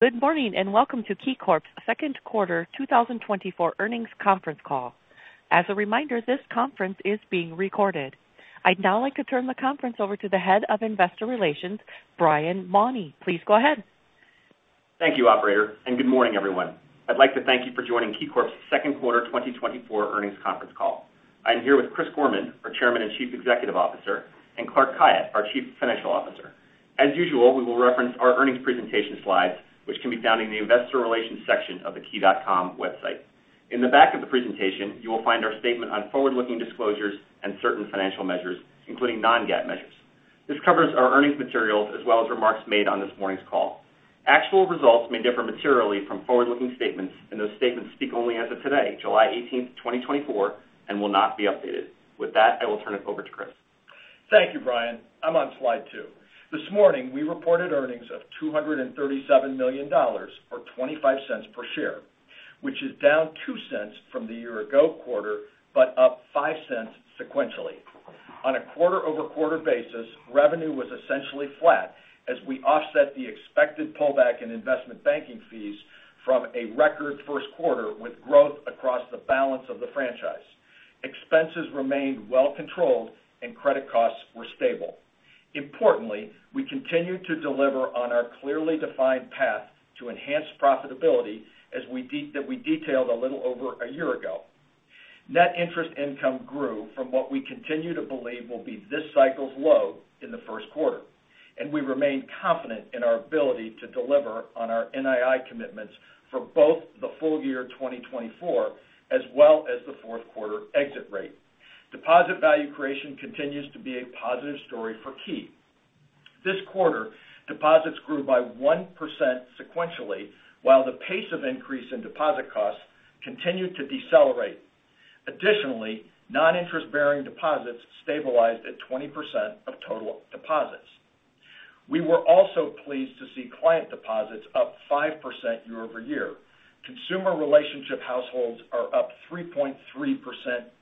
Good morning, and welcome to KeyCorp's second quarter 2024 earnings conference call. As a reminder, this conference is being recorded. I'd now like to turn the conference over to the Head of Investor Relations, Brian Mauney. Please go ahead. Thank you, operator, and good morning, everyone. I'd like to thank you for joining KeyCorp's second quarter 2024 earnings conference call. I'm here with Chris Gorman, our Chairman and Chief Executive Officer, and Clark Khayat, our Chief Financial Officer. As usual, we will reference our earnings presentation slides, which can be found in the investor relations section of the key.com website. In the back of the presentation, you will find our statement on forward-looking disclosures and certain financial measures, including non-GAAP measures. This covers our earnings materials as well as remarks made on this morning's call. Actual results may differ materially from forward-looking statements, and those statements speak only as of today, July 18, 2024, and will not be updated. With that, I will turn it over to Chris. Thank you, Brian. I'm on slide two. This morning, we reported earnings of $237 million, or $0.25 per share, which is down $0.02 from the year ago quarter, but up $0.05 sequentially. On a quarter-over-quarter basis, revenue was essentially flat as we offset the expected pullback in investment banking fees from a record first quarter with growth across the balance of the franchise. Expenses remained well controlled and credit costs were stable. Importantly, we continued to deliver on our clearly defined path to enhance profitability as we that we detailed a little over a year ago. Net interest income grew from what we continue to believe will be this cycle's low in the first quarter, and we remain confident in our ability to deliver on our NII commitments for both the full year 2024 as well as the fourth quarter exit rate. Deposit value creation continues to be a positive story for Key. This quarter, deposits grew by 1% sequentially, while the pace of increase in deposit costs continued to decelerate. Additionally, non-interest-bearing deposits stabilized at 20% of total deposits. We were also pleased to see client deposits up 5% year-over-year. Consumer relationship households are up 3.3%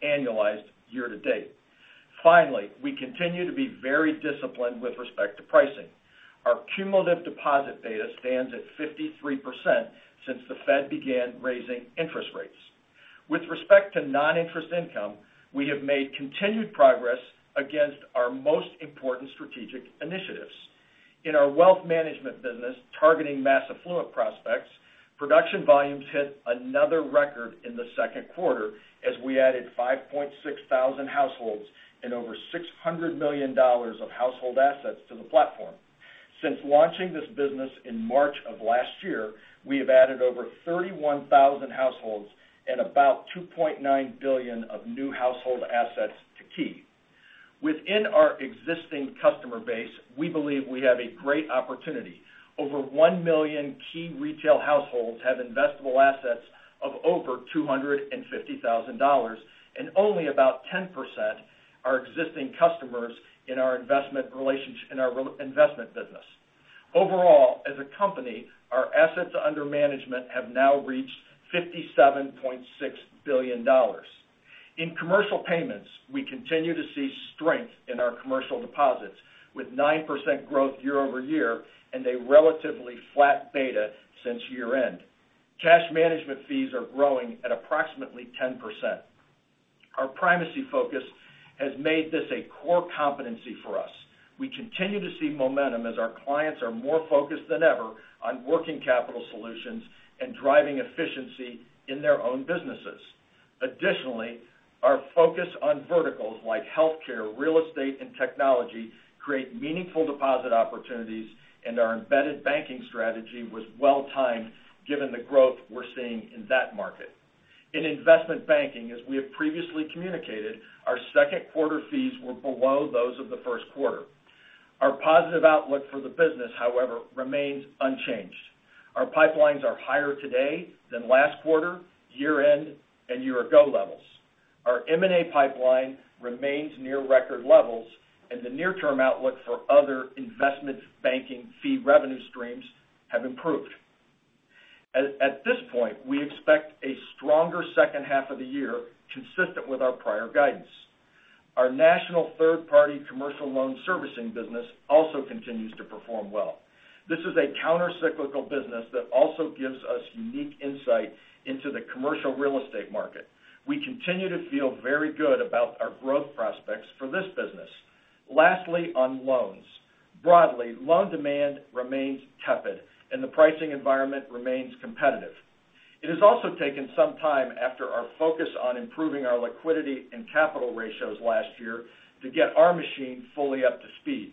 annualized year-to-date. Finally, we continue to be very disciplined with respect to pricing. Our cumulative deposit beta stands at 53% since the Fed began raising interest rates. With respect to non-interest income, we have made continued progress against our most important strategic initiatives. In our wealth management business, targeting mass affluent prospects, production volumes hit another record in the second quarter as we added 5,600 households and over $600 million of household assets to the platform. Since launching this business in March of last year, we have added over 31,000 households and about $2.9 billion of new household assets to Key. Within our existing customer base, we believe we have a great opportunity. Over 1 million Key retail households have investable assets of over $250,000, and only about 10% are existing customers in our investment business. Overall, as a company, our assets under management have now reached $57.6 billion. In commercial payments, we continue to see strength in our commercial deposits, with 9% growth year-over-year and a relatively flat beta since year-end. Cash management fees are growing at approximately 10%. Our primary focus has made this a core competency for us. We continue to see momentum as our clients are more focused than ever on working capital solutions and driving efficiency in their own businesses. Additionally, our focus on verticals like healthcare, real estate, and technology create meaningful deposit opportunities, and our embedded banking strategy was well-timed, given the growth we're seeing in that market. In investment banking, as we have previously communicated, our second quarter fees were below those of the first quarter. Our positive outlook for the business, however, remains unchanged. Our pipelines are higher today than last quarter, year-end, and year-ago levels. Our M&A pipeline remains near record levels, and the near-term outlook for other investment banking fee revenue streams have improved. At this point, we expect a stronger second half of the year, consistent with our prior guidance. Our national third-party commercial loan servicing business also continues to perform well. This is a countercyclical business that also gives us unique insight into the commercial real estate market. We continue to feel very good about our growth prospects for this business. Lastly, on loans. Broadly, loan demand remains tepid, and the pricing environment remains competitive. It has also taken some time after our focus on improving our liquidity and capital ratios last year to get our machine fully up to speed.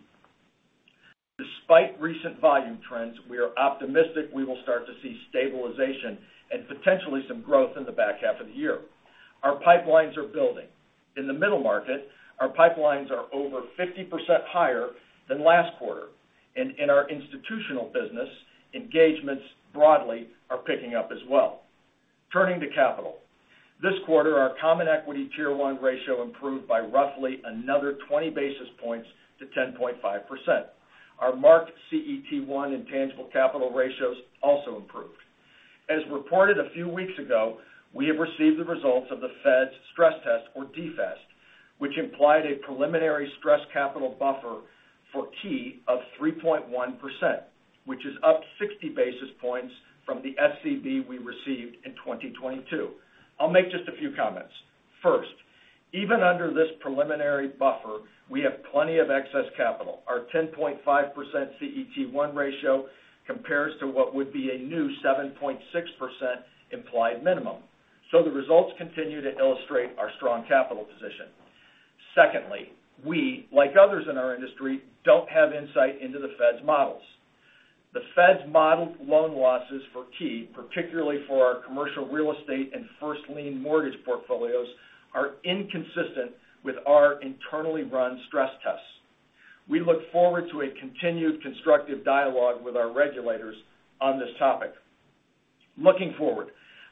Despite recent volume trends, we are optimistic we will start to see stabilization and potentially some growth in the back half of the year. Our pipelines are building. In the middle market, our pipelines are over 50% higher than last quarter, and in our institutional business, engagements broadly are picking up as well. Turning to capital. This quarter, our common equity Tier 1 ratio improved by roughly another 20 basis points to 10.5%. Our marked CET1 and tangible capital ratios also improved. As reported a few weeks ago, we have received the results of the Fed's stress test, or DFAST, which implied a preliminary Stress Capital Buffer for Key of 3.1%, which is up 60 basis points from the SCB we received in 2022. I'll make just a few comments. First, even under this preliminary buffer, we have plenty of excess capital. Our 10.5% CET1 ratio compares to what would be a new 7.6% implied minimum. The results continue to illustrate our strong capital position. Secondly, we, like others in our industry, don't have insight into the Fed's models. The Fed's modeled loan losses for Key, particularly for our commercial real estate and first lien mortgage portfolios, are inconsistent with our internally run stress tests. We look forward to a continued constructive dialogue with our regulators on this topic. Looking forward,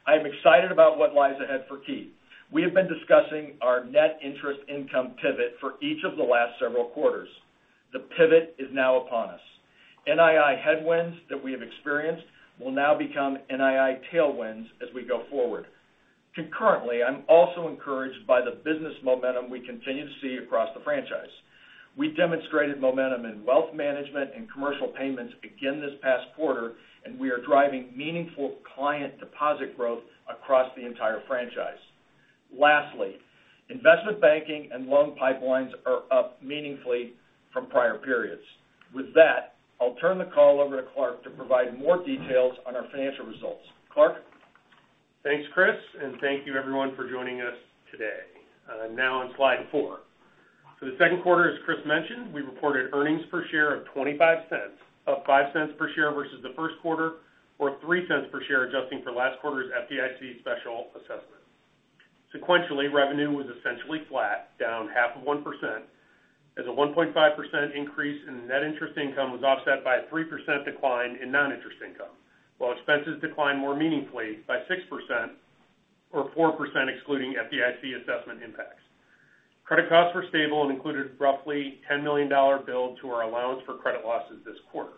I am excited about what lies ahead for Key. We have been discussing our net interest income pivot for each of the last several quarters. The pivot is now upon us. NII headwinds that we have experienced will now become NII tailwinds as we go forward. Concurrently, I'm also encouraged by the business momentum we continue to see across the franchise. We demonstrated momentum in wealth management and commercial payments again this past quarter, and we are driving meaningful client deposit growth across the entire franchise. Lastly, investment banking and loan pipelines are up meaningfully from prior periods. With that, I'll turn the call over to Clark to provide more details on our financial results. Clark? Thanks, Chris, and thank you everyone for joining us today. Now on slide four. For the second quarter, as Chris mentioned, we reported earnings per share of 25 cents, up 5 cents per share versus the first quarter, or 3 cents per share, adjusting for last quarter's FDIC special assessment. Sequentially, revenue was essentially flat, down 0.5%, as a 1.5% increase in net interest income was offset by a 3% decline in non-interest income, while expenses declined more meaningfully by 6%, or 4% excluding FDIC assessment impacts. Credit costs were stable and included roughly a $10 million build to our allowance for credit losses this quarter.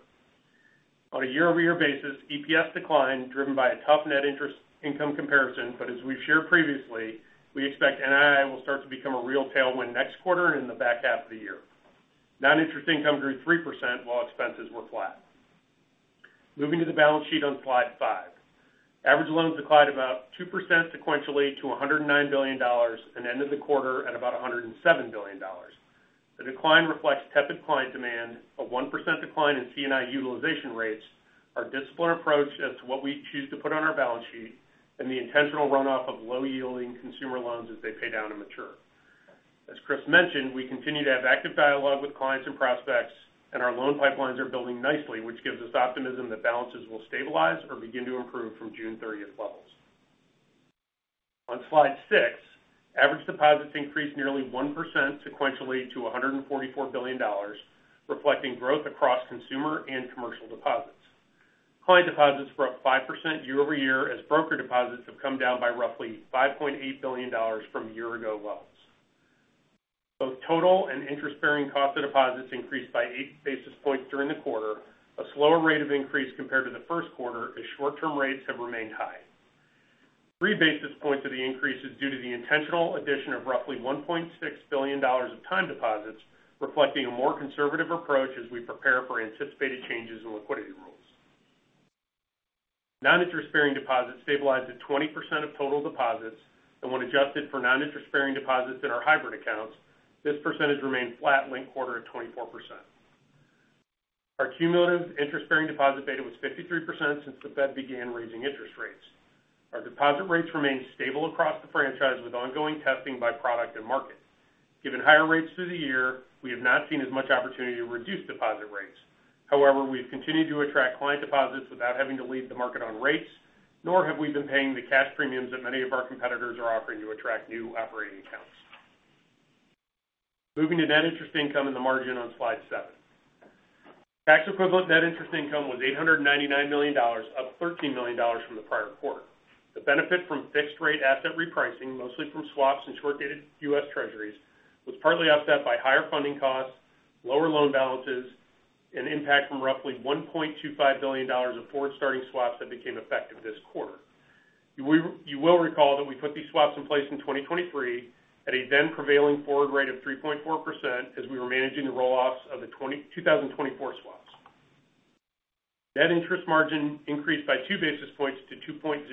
On a year-over-year basis, EPS declined, driven by a tough net interest income comparison, but as we've shared previously, we expect NII will start to become a real tailwind next quarter and in the back half of the year. Non-interest income grew 3%, while expenses were flat. Moving to the balance sheet on slide five. Average loans declined about 2% sequentially to $109 billion and ended the quarter at about $107 billion. The decline reflects tepid client demand, a 1% decline in C&I utilization rates, our disciplined approach as to what we choose to put on our balance sheet, and the intentional runoff of low-yielding consumer loans as they pay down and mature. As Chris mentioned, we continue to have active dialogue with clients and prospects, and our loan pipelines are building nicely, which gives us optimism that balances will stabilize or begin to improve from June 30th levels. On slide 6, average deposits increased nearly 1% sequentially to $144 billion, reflecting growth across consumer and commercial deposits. Client deposits were up 5% year-over-year, as broker deposits have come down by roughly $5.8 billion from year-ago levels. Both total and interest-bearing cost of deposits increased by 8 basis points during the quarter, a slower rate of increase compared to the first quarter, as short-term rates have remained high. 3 basis points of the increase is due to the intentional addition of roughly $1.6 billion of time deposits, reflecting a more conservative approach as we prepare for anticipated changes in liquidity rules. Non-interest-bearing deposits stabilized at 20% of total deposits, and when adjusted for non-interest-bearing deposits in our hybrid accounts, this percentage remained flat linked quarter at 24%. Our cumulative interest-bearing deposit beta was 53% since the Fed began raising interest rates. Our deposit rates remained stable across the franchise, with ongoing testing by product and market. Given higher rates through the year, we have not seen as much opportunity to reduce deposit rates. However, we've continued to attract client deposits without having to lead the market on rates, nor have we been paying the cash premiums that many of our competitors are offering to attract new operating accounts. Moving to net interest income and the margin on slide 7. Tax-equivalent net interest income was $899 million, up $13 million from the prior quarter. The benefit from fixed-rate asset repricing, mostly from swaps and short-dated U.S. Treasuries, was partly offset by higher funding costs, lower loan balances, and impact from roughly $1.25 billion of forward-starting swaps that became effective this quarter. You will recall that we put these swaps in place in 2023 at a then prevailing forward rate of 3.4%, as we were managing the roll-offs of the 2022-2024 swaps. Net interest margin increased by two basis points to 2.04%.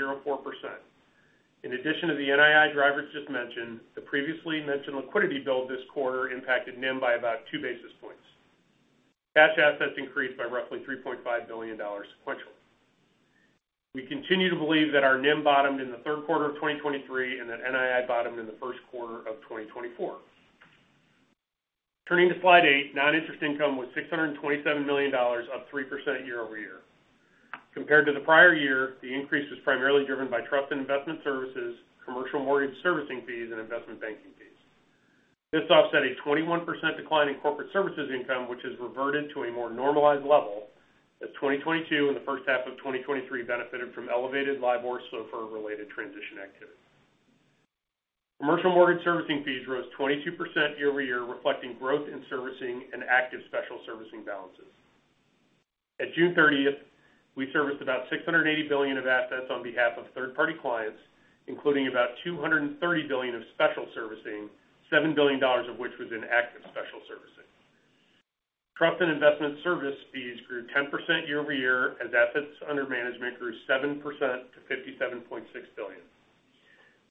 In addition to the NII drivers just mentioned, the previously mentioned liquidity build this quarter impacted NIM by about two basis points. Cash assets increased by roughly $3.5 billion sequentially. We continue to believe that our NIM bottomed in the third quarter of 2023 and that NII bottomed in the first quarter of 2024. Turning to slide 8, non-interest income was $627 million, up 3% year-over-year. Compared to the prior year, the increase was primarily driven by trust and investment services, commercial mortgage servicing fees, and investment banking fees. This offset a 21% decline in corporate services income, which has reverted to a more normalized level, as 2022 and the first half of 2023 benefited from elevated LIBOR SOFR-related transition activity. Commercial mortgage servicing fees rose 22% year-over-year, reflecting growth in servicing and active special servicing balances. At June 30th, we serviced about $680 billion of assets on behalf of third-party clients, including about $230 billion of special servicing, $7 billion of which was in active special servicing. Trust and investment service fees grew 10% year-over-year, as assets under management grew 7% to $57.6 billion.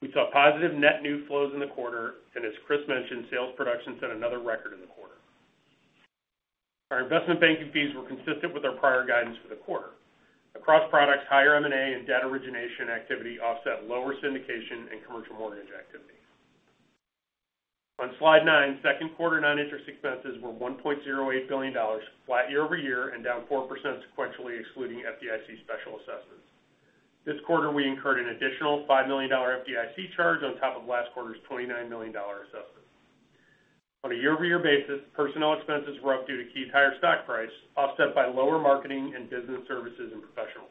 We saw positive net new flows in the quarter, and as Chris mentioned, sales production set another record in the quarter. Our investment banking fees were consistent with our prior guidance for the quarter. Across products, higher M&A and debt origination activity offset lower syndication and commercial mortgage activity. On slide nine, second quarter non-interest expenses were $1.08 billion, flat year-over-year and down 4% sequentially, excluding FDIC special assessments. This quarter, we incurred an additional $5 million FDIC charge on top of last quarter's $29 million assessment. On a year-over-year basis, personnel expenses were up due to Key's higher stock price, offset by lower marketing and business services and professional fees.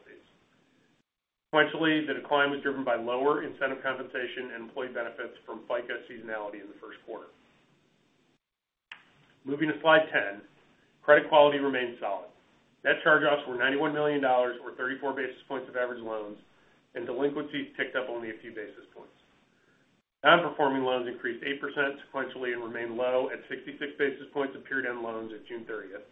Sequentially, the decline was driven by lower incentive compensation and employee benefits from FICA seasonality in the first quarter. Moving to slide 10, credit quality remained solid. Net charge-offs were $91 million, or 34 basis points of average loans, and delinquencies ticked up only a few basis points. Non-performing loans increased 8% sequentially and remained low at 66 basis points of period end loans at June thirtieth.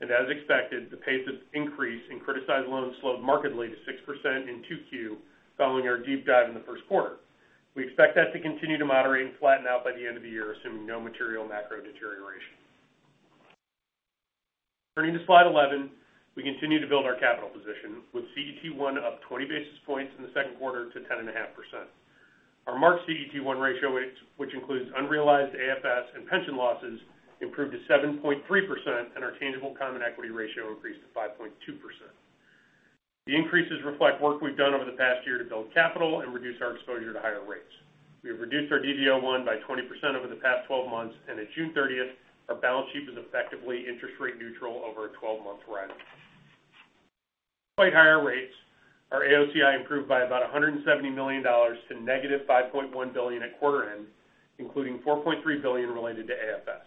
And as expected, the pace of increase in criticized loans slowed markedly to 6% in 2Q, following our deep dive in the first quarter. We expect that to continue to moderate and flatten out by the end of the year, assuming no material macro deterioration. Turning to slide 11, we continue to build our capital position, with CET1 up 20 basis points in the second quarter to 10.5%. Our marked CET1 ratio, which includes unrealized AFS and pension losses, improved to 7.3%, and our tangible common equity ratio increased to 5.2%. The increases reflect work we've done over the past year to build capital and reduce our exposure to higher rates. We have reduced our DV01 by 20% over the past 12 months, and at June 30, our balance sheet was effectively interest rate neutral over a 12-month horizon. Despite higher rates, our AOCI improved by about $170 million to -$5.1 billion at quarter end, including $4.3 billion related to AFS.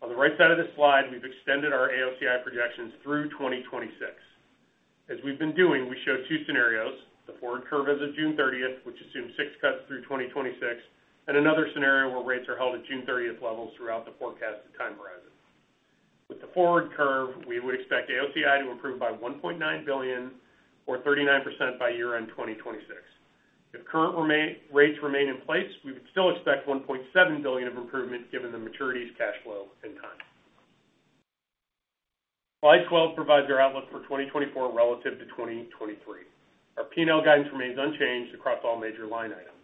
On the right side of this slide, we've extended our AOCI projections through 2026. As we've been doing, we show two scenarios: the forward curve as of June thirtieth, which assumes six cuts through 2026, and another scenario where rates are held at June thirtieth levels throughout the forecasted time horizon. With the forward curve, we would expect AOCI to improve by $1.9 billion or 39% by year-end 2026. If current rates remain in place, we would still expect $1.7 billion of improvement given the maturities, cash flow, and time. Slide 12 provides our outlook for 2024 relative to 2023. Our P&L guidance remains unchanged across all major line items.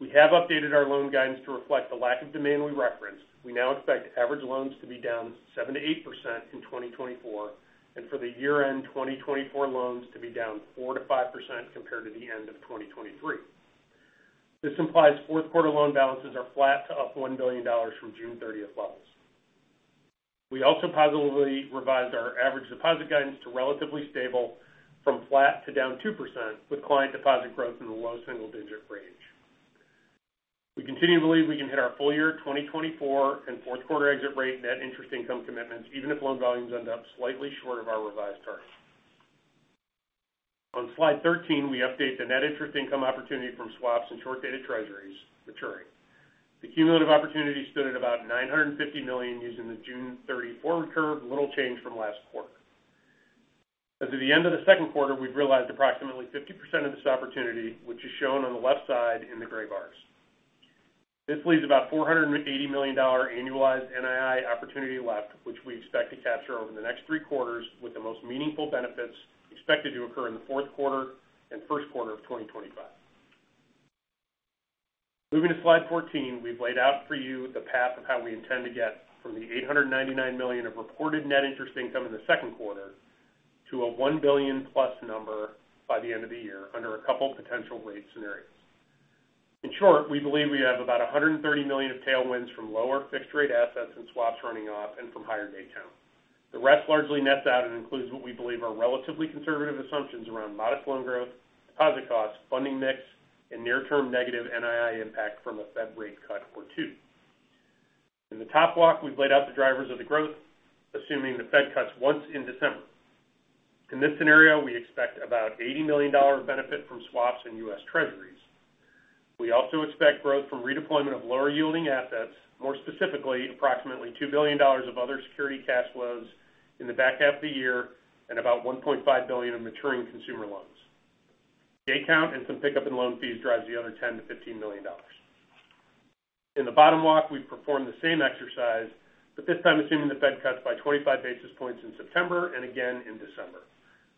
We have updated our loan guidance to reflect the lack of demand we referenced. We now expect average loans to be down 7%-8% in 2024, and for the year-end 2024 loans to be down 4%-5% compared to the end of 2023. This implies fourth quarter loan balances are flat to up $1 billion from June 30 levels. We also positively revised our average deposit guidance to relatively stable from flat to down 2%, with client deposit growth in the low single digit range. We continue to believe we can hit our full-year 2024 and fourth quarter exit rate net interest income commitments, even if loan volumes end up slightly short of our revised targets. On slide 13, we update the net interest income opportunity from swaps and short-dated Treasuries maturing. The cumulative opportunity stood at about $950 million using the June 30 forward curve, little change from last quarter. As of the end of the second quarter, we've realized approximately 50% of this opportunity, which is shown on the left side in the gray bars. This leaves about $480 million annualized NII opportunity left, which we expect to capture over the next three quarters, with the most meaningful benefits expected to occur in the fourth quarter and first quarter of 2025. Moving to slide 14, we've laid out for you the path of how we intend to get from the $899 million of reported net interest income in the second quarter to a $1 billion-plus number by the end of the year under a couple of potential rate scenarios. In short, we believe we have about a $130 million of tailwinds from lower fixed rate assets and swaps running off and from higher day count. The rest largely nets out and includes what we believe are relatively conservative assumptions around modest loan growth, deposit costs, funding mix, and near-term negative NII impact from a Fed rate cut or two. In the top block, we've laid out the drivers of the growth, assuming the Fed cuts once in December. In this scenario, we expect about $80 million dollar benefit from swaps in U.S. Treasuries. We also expect growth from redeployment of lower yielding assets, more specifically, approximately $2 billion of other security cash flows in the back half of the year and about $1.5 billion in maturing consumer loans. Day count and some pickup in loan fees drives the other $10 million-$15 million. In the bottom block, we've performed the same exercise, but this time assuming the Fed cuts by 25 basis points in September and again in December.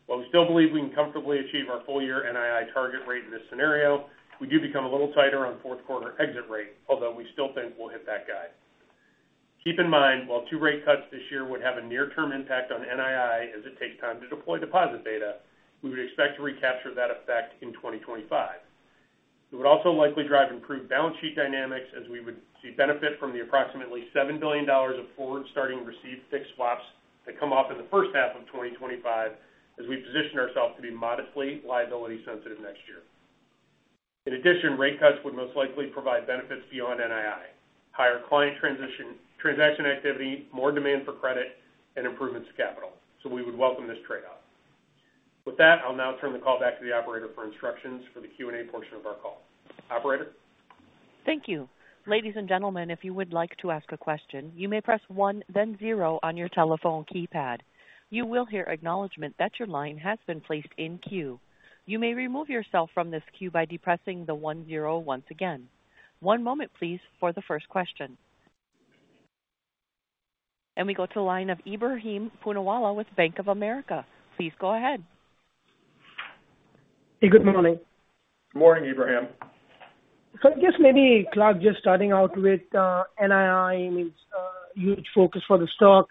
While we still believe we can comfortably achieve our full year NII target rate in this scenario, we do become a little tighter on fourth quarter exit rate, although we still think we'll hit that guide. Keep in mind, while two rate cuts this year would have a near-term impact on NII, as it takes time to deploy deposit beta, we would expect to recapture that effect in 2025. It would also likely drive improved balance sheet dynamics, as we would see benefit from the approximately $7 billion of forward starting received fixed swaps that come off in the first half of 2025, as we position ourselves to be modestly liability sensitive next year. In addition, rate cuts would most likely provide benefits beyond NII, higher client transaction activity, more demand for credit, and improvements to capital. So we would welcome this trade-off. With that, I'll now turn the call back to the operator for instructions for the Q&A portion of our call. Operator? Thank you. Ladies and gentlemen, if you would like to ask a question, you may press one, then zero on your telephone keypad. You will hear acknowledgment that your line has been placed in queue. You may remove yourself from this queue by depressing the one-zero once again. One moment, please, for the first question. We go to the line of Ebrahim Poonawala with Bank of America. Please go ahead. Good morning. Good morning, Ebrahim. So I guess maybe, Clark, just starting out with NII means huge focus for the stock.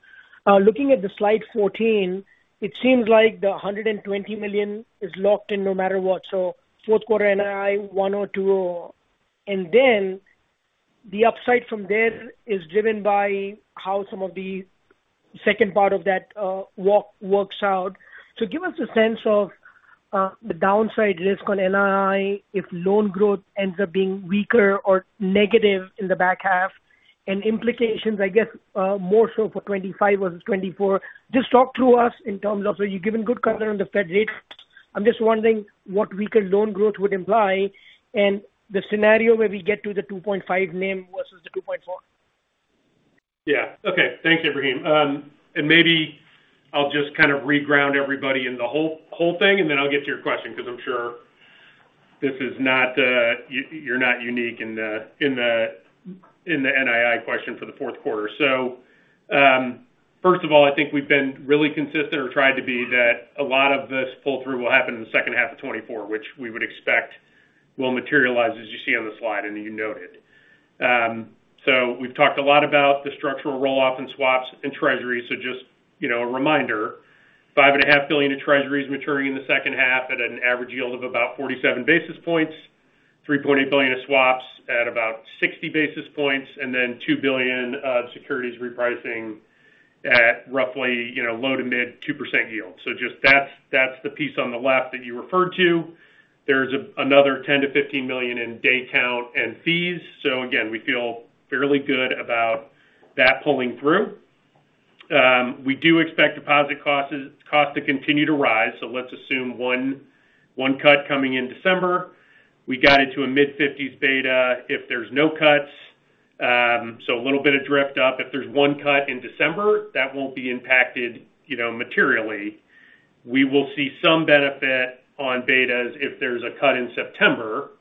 Looking at the slide 14, it seems like the $120 million is locked in no matter what. So fourth quarter NII $101 or $102, and then the upside from there is driven by how some of the second part of that work works out. So give us a sense of the downside risk on NII if loan growth ends up being weaker or negative in the back half, and implications, I guess, more so for 2025 versus 2024. Just talk us through in terms of... So you've given good color on the Fed rate. I'm just wondering what weaker loan growth would imply and the scenario where we get to the 2.5 name versus the 2.4. Yeah. Okay. Thanks, Ebrahim. And maybe I'll just kind of reground everybody in the whole, whole thing, and then I'll get to your question because I'm sure this is not, you, you're not unique in the, in the, in the NII question for the fourth quarter. So, first of all, I think we've been really consistent or tried to be, that a lot of this pull-through will happen in the second half of 2024, which we would expect will materialize, as you see on the slide and you noted. So we've talked a lot about the structural roll-off in swaps and treasuries. So just, you know, a reminder, $5.5 billion of treasuries maturing in the second half at an average yield of about 47 basis points, $3.8 billion of swaps at about 60 basis points, and then $2 billion of securities repricing at roughly, you know, low- to mid-2% yield. So just that's, that's the piece on the left that you referred to. There's another $10 million-$15 million in day count and fees. So again, we feel fairly good about that pulling through. We do expect deposit costs, cost to continue to rise, so let's assume one cut coming in December. We got into a mid-50s beta if there's no cuts, so a little bit of drift up. If there's one cut in December, that won't be impacted, you know, materially. We will see some benefit on betas if there's a cut in September,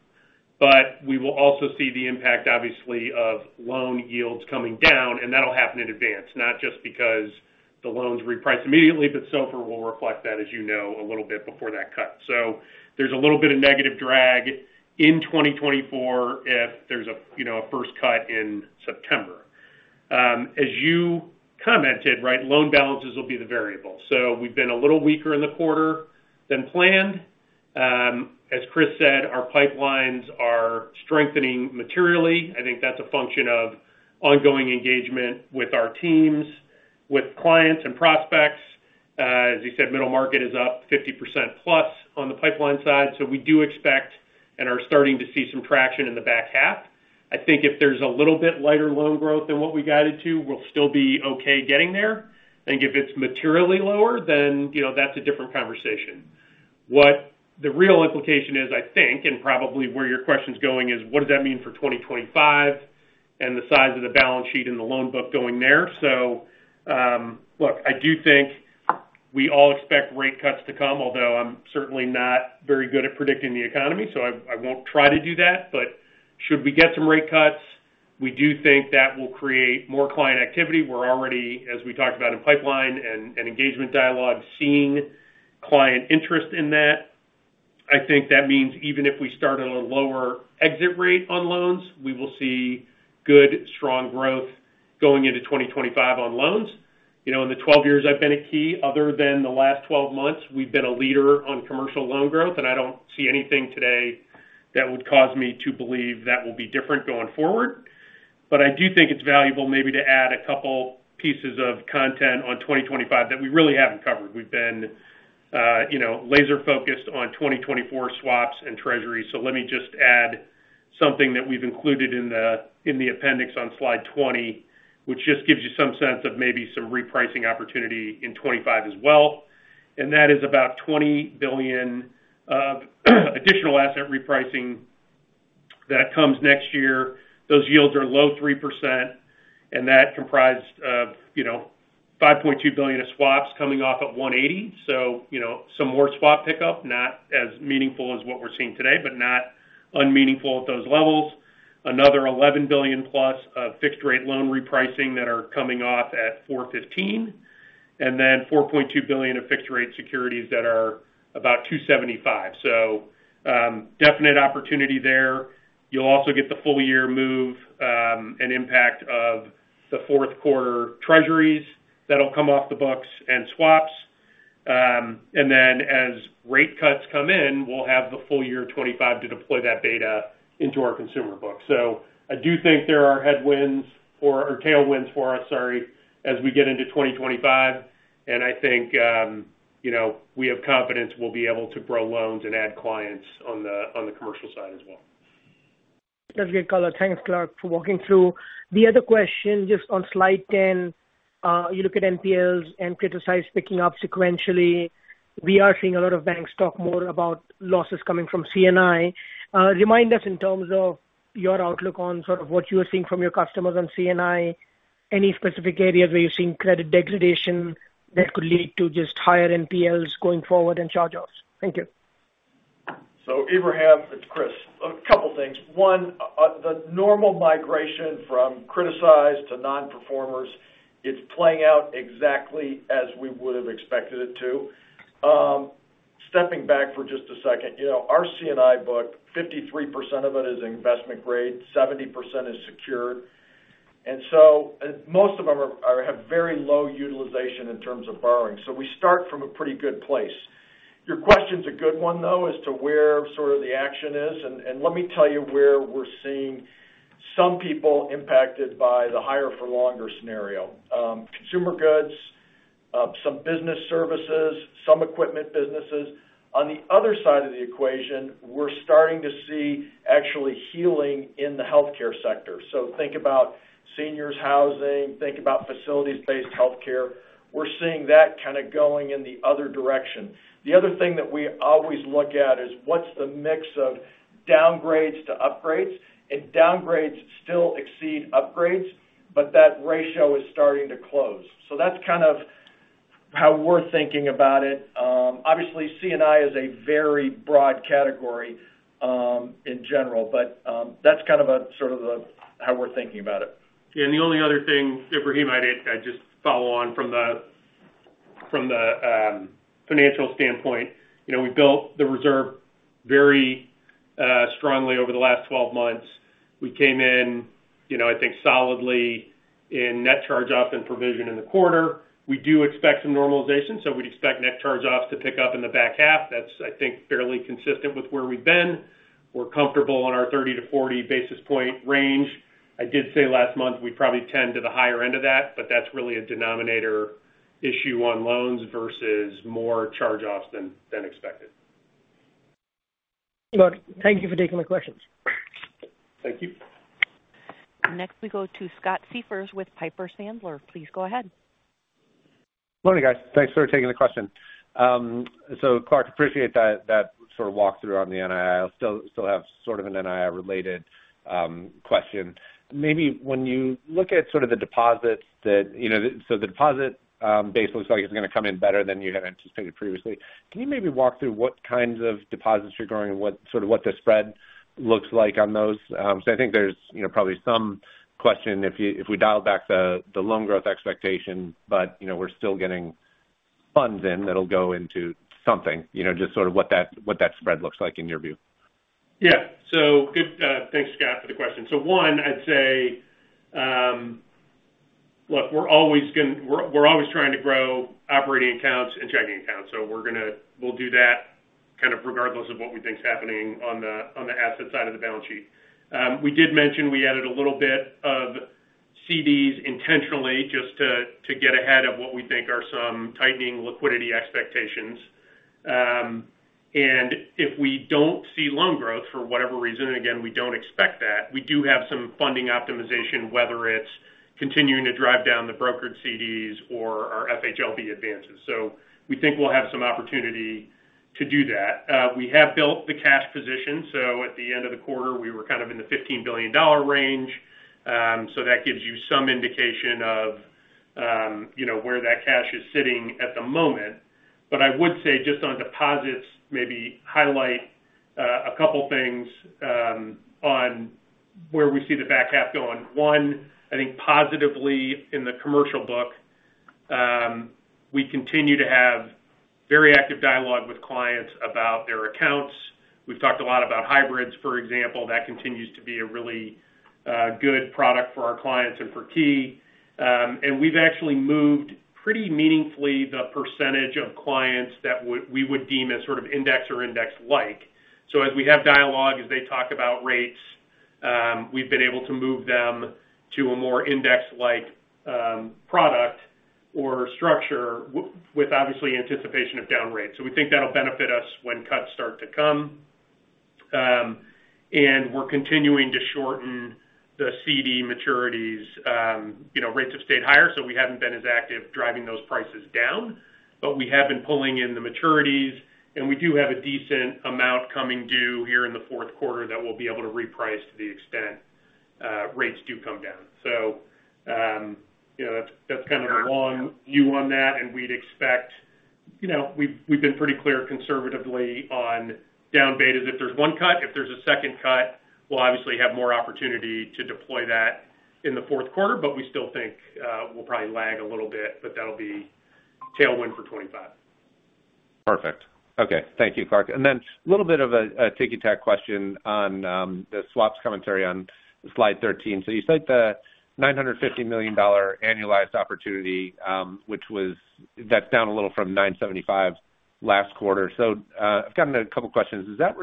but we will also see the impact, obviously, of loan yields coming down, and that'll happen in advance, not just because the loans reprice immediately, but SOFR will reflect that, as you know, a little bit before that cut. So there's a little bit of negative drag in 2024 if there's a, you know, a first cut in September. As you commented, right, loan balances will be the variable. So we've been a little weaker in the quarter than planned. As Chris said, our pipelines are strengthening materially. I think that's a function of ongoing engagement with our teams, with clients and prospects. As you said, middle market is up 50% plus on the pipeline side, so we do expect and are starting to see some traction in the back half. I think if there's a little bit lighter loan growth than what we guided to, we'll still be okay getting there. I think if it's materially lower, then, you know, that's a different conversation. What the real implication is, I think, and probably where your question's going, is what does that mean for 2025 and the size of the balance sheet and the loan book going there? So, look, I do think we all expect rate cuts to come, although I'm certainly not very good at predicting the economy, so I won't try to do that. But should we get some rate cuts, we do think that will create more client activity. We're already, as we talked about in pipeline and engagement dialogue, seeing client interest in that. I think that means even if we start at a lower exit rate on loans, we will see good, strong growth going into 2025 on loans. You know, in the 12 years I've been at Key, other than the last 12 months, we've been a leader on commercial loan growth, and I don't see anything today that would cause me to believe that will be different going forward. But I do think it's valuable maybe to add a couple pieces of content on 2025 that we really haven't covered. We've been, you know, laser-focused on 2024 swaps and treasuries. So let me just add something that we've included in the appendix on slide 20, which just gives you some sense of maybe some repricing opportunity in 2025 as well, and that is about $20 billion of additional asset repricing that comes next year. Those yields are low 3%, and that comprised of, you know, $5.2 billion of swaps coming off at 180. So, you know, some more swap pickup, not as meaningful as what we're seeing today, but not unmeaningful at those levels. Another $11 billion plus of fixed rate loan repricing that are coming off at 415, and then $4.2 billion of fixed rate securities that are about 275. So, definite opportunity there. You'll also get the full year move, and impact of the fourth quarter treasuries that'll come off the books and swaps. And then as rate cuts come in, we'll have the full year 2025 to deploy that data into our consumer book. So I do think there are headwinds for-- or tailwinds for us, sorry, as we get into 2025. I think, you know, we have confidence we'll be able to grow loans and add clients on the commercial side as well. That's great color. Thanks, Clark, for walking through. The other question, just on slide 10, you look at NPLs and criticized picking up sequentially. We are seeing a lot of banks talk more about losses coming from C&I. Remind us in terms of your outlook on sort of what you are seeing from your customers on C&I, any specific areas where you're seeing credit degradation that could lead to just higher NPLs going forward and charge-offs? Thank you. So, Abraham, it's Chris. A couple of things. One, the normal migration from criticized to non-performers, it's playing out exactly as we would have expected it to. Stepping back for just a second, you know, our C&I book, 53% of it is investment grade, 70% is secured. And so, and most of them are have very low utilization in terms of borrowing. So we start from a pretty good place. Your question's a good one, though, as to where sort of the action is. And, and let me tell you where we're seeing some people impacted by the higher for longer scenario. Consumer goods, some business services, some equipment businesses. On the other side of the equation, we're starting to see actually healing in the healthcare sector. So think about seniors housing, think about facilities-based healthcare. We're seeing that kind of going in the other direction. The other thing that we always look at is what's the mix of downgrades to upgrades, and downgrades still exceed upgrades, but that ratio is starting to close. So that's kind of how we're thinking about it. Obviously, C&I is a very broad category, in general, but that's kind of how we're thinking about it. And the only other thing, Ibrahim, I'd just follow on from the financial standpoint. You know, we built the reserve very strongly over the last 12 months. We came in, you know, I think solidly in net charge-off and provision in the quarter. We do expect some normalization, so we'd expect net charge-offs to pick up in the back half. That's, I think, fairly consistent with where we've been. We're comfortable in our 30-40 basis point range. I did say last month, we probably tend to the higher end of that, but that's really a denominator issue on loans versus more charge-offs than expected. Look, thank you for taking my questions. Thank you. Next, we go to Scott Siefers with Piper Sandler. Please go ahead. Morning, guys. Thanks for taking the question. So Clark, I appreciate that, that sort of walk through on the NII. I still have sort of an NII-related question. Maybe when you look at sort of the deposits that, you know, so the deposit base looks like it's going to come in better than you had anticipated previously. Can you maybe walk through what kinds of deposits you're growing and what sort of what the spread looks like on those? So I think there's, you know, probably some question if we dial back the loan growth expectation, but, you know, we're still getting funds in that'll go into something, you know, just sort of what that spread looks like in your view. Yeah. So good. Thanks, Scott, for the question. So one, I'd say, look, we're always going—we're always trying to grow operating accounts and checking accounts. So we're going to—we'll do that kind of regardless of what we think is happening on the asset side of the balance sheet. We did mention we added a little bit of CDs intentionally just to get ahead of what we think are some tightening liquidity expectations. And if we don't see loan growth for whatever reason, and again, we don't expect that, we do have some funding optimization, whether it's continuing to drive down the brokered CDs or our FHLB advances. So we think we'll have some opportunity to do that. We have built the cash position, so at the end of the quarter, we were kind of in the $15 billion range. So that gives you some indication of, you know, where that cash is sitting at the moment. But I would say just on deposits, maybe highlight a couple of things on where we see the back half going. One, I think positively in the commercial book, we continue to have very active dialogue with clients about their accounts. We've talked a lot about hybrids, for example, that continues to be a really good product for our clients and for Key. And we've actually moved pretty meaningfully the percentage of clients that would- we would deem as sort of index or index like. So as we have dialogue, as they talk about rates, we've been able to move them to a more index-like product or structure with obviously anticipation of down rates. So we think that'll benefit us when cuts start to come. And we're continuing to shorten the CD maturities. You know, rates have stayed higher, so we haven't been as active driving those prices down, but we have been pulling in the maturities, and we do have a decent amount coming due here in the fourth quarter that we'll be able to reprice to the extent rates do come down. So, you know, that's, that's kind of our long view on that, and we'd expect, you know, we've, we've been pretty clear conservatively on down betas. If there's one cut, if there's a second cut, we'll obviously have more opportunity to deploy that in the fourth quarter, but we still think, we'll probably lag a little bit, but that'll be tailwind for 2025. Perfect. Okay, thank you, Clark. Then a little bit of a ticky-tack question on the swaps commentary on slide 13. So you cite the $950 million annualized opportunity, which was. That's down a little from $975 last quarter. So I've gotten a couple questions. Does that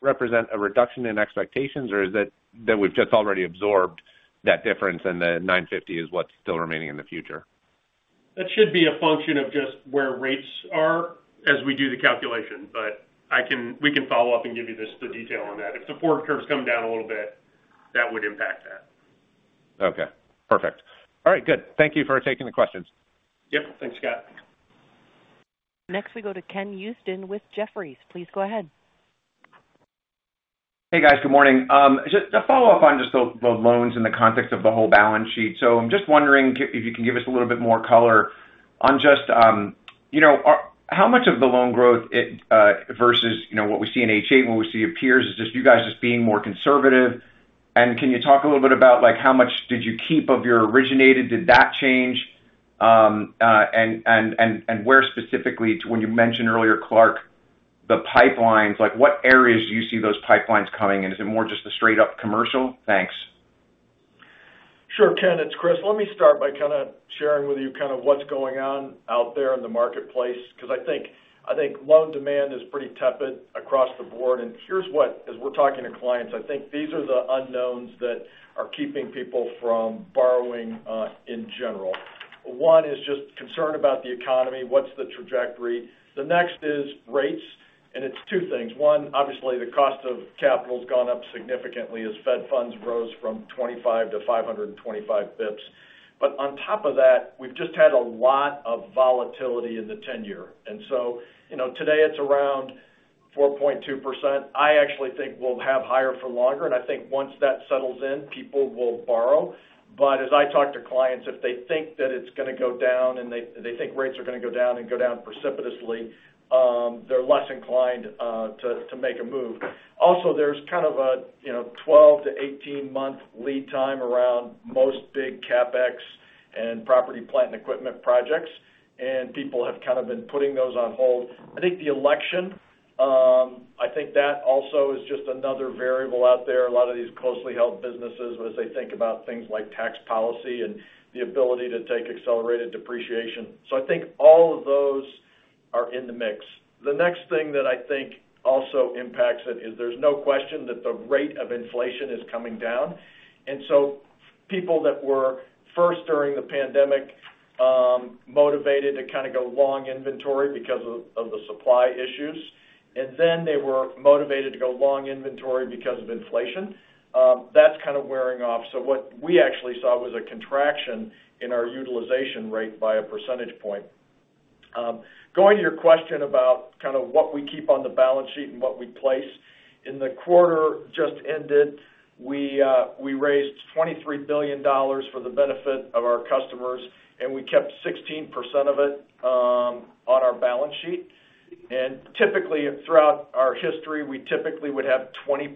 represent a reduction in expectations, or is it that we've just already absorbed that difference and the $950 is what's still remaining in the future? That should be a function of just where rates are as we do the calculation, but I can, we can follow up and give you this, the detail on that. If the forward curves come down a little bit, that would impact that. Okay, perfect. All right, good. Thank you for taking the questions. Yep. Thanks, Scott. Next, we go to Ken Usdin with Jefferies. Please go ahead. Hey, guys, good morning. Just to follow up on just the, the loans in the context of the whole balance sheet. So I'm just wondering if you can give us a little bit more color on just, you know, how much of the loan growth it versus, you know, what we see in H.8, what we see at peers, is just you guys being more conservative? And can you talk a little bit about, like, how much did you keep of your originated, did that change? And where specifically to when you mentioned earlier, Clark, the pipelines, like, what areas do you see those pipelines coming in? Is it more just a straight-up commercial? Thanks. Sure, Ken, it's Chris. Let me start by kind of sharing with you kind of what's going on out there in the marketplace, because I think, I think loan demand is pretty tepid across the board. And here's what, as we're talking to clients, I think these are the unknowns that are keeping people from borrowing in general. One is just concern about the economy. What's the trajectory? The next is rates, and it's two things. One, obviously, the cost of capital has gone up significantly as fed funds rose from 25 to 525 basis points. But on top of that, we've just had a lot of volatility in the ten-year. And so, you know, today it's around 4.2%. I actually think we'll have higher for longer, and I think once that settles in, people will borrow. But as I talk to clients, if they think that it's going to go down and they think rates are going to go down and go down precipitously, they're less inclined to make a move. Also, there's kind of a, you know, 12- to 18-month lead time around most big CapEx and property, plant and equipment projects, and people have kind of been putting those on hold. I think the election, I think that also is just another variable out there. A lot of these closely held businesses, as they think about things like tax policy and the ability to take accelerated depreciation. So I think all of those are in the mix. The next thing that I think also impacts it is there's no question that the rate of inflation is coming down. People that were first during the pandemic motivated to kind of go long inventory because of the supply issues, and then they were motivated to go long inventory because of inflation. That's kind of wearing off. So what we actually saw was a contraction in our utilization rate by a percentage point. Going to your question about kind of what we keep on the balance sheet and what we place. In the quarter just ended, we raised $23 billion for the benefit of our customers, and we kept 16% of it on our balance sheet. And typically, throughout our history, we typically would have 20%.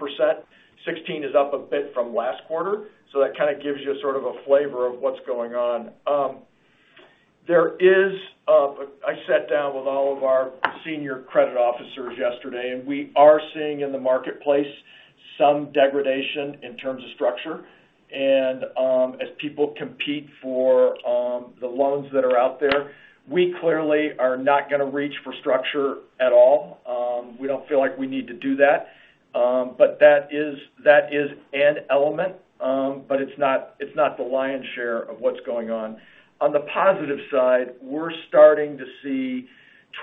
Sixteen is up a bit from last quarter, so that kind of gives you sort of a flavor of what's going on. There is... I sat down with all of our senior credit officers yesterday, and we are seeing in the marketplace some degradation in terms of structure. As people compete for the loans that are out there, we clearly are not going to reach for structure at all. We don't feel like we need to do that. But that is, that is an element, but it's not, it's not the lion's share of what's going on. On the positive side, we're starting to see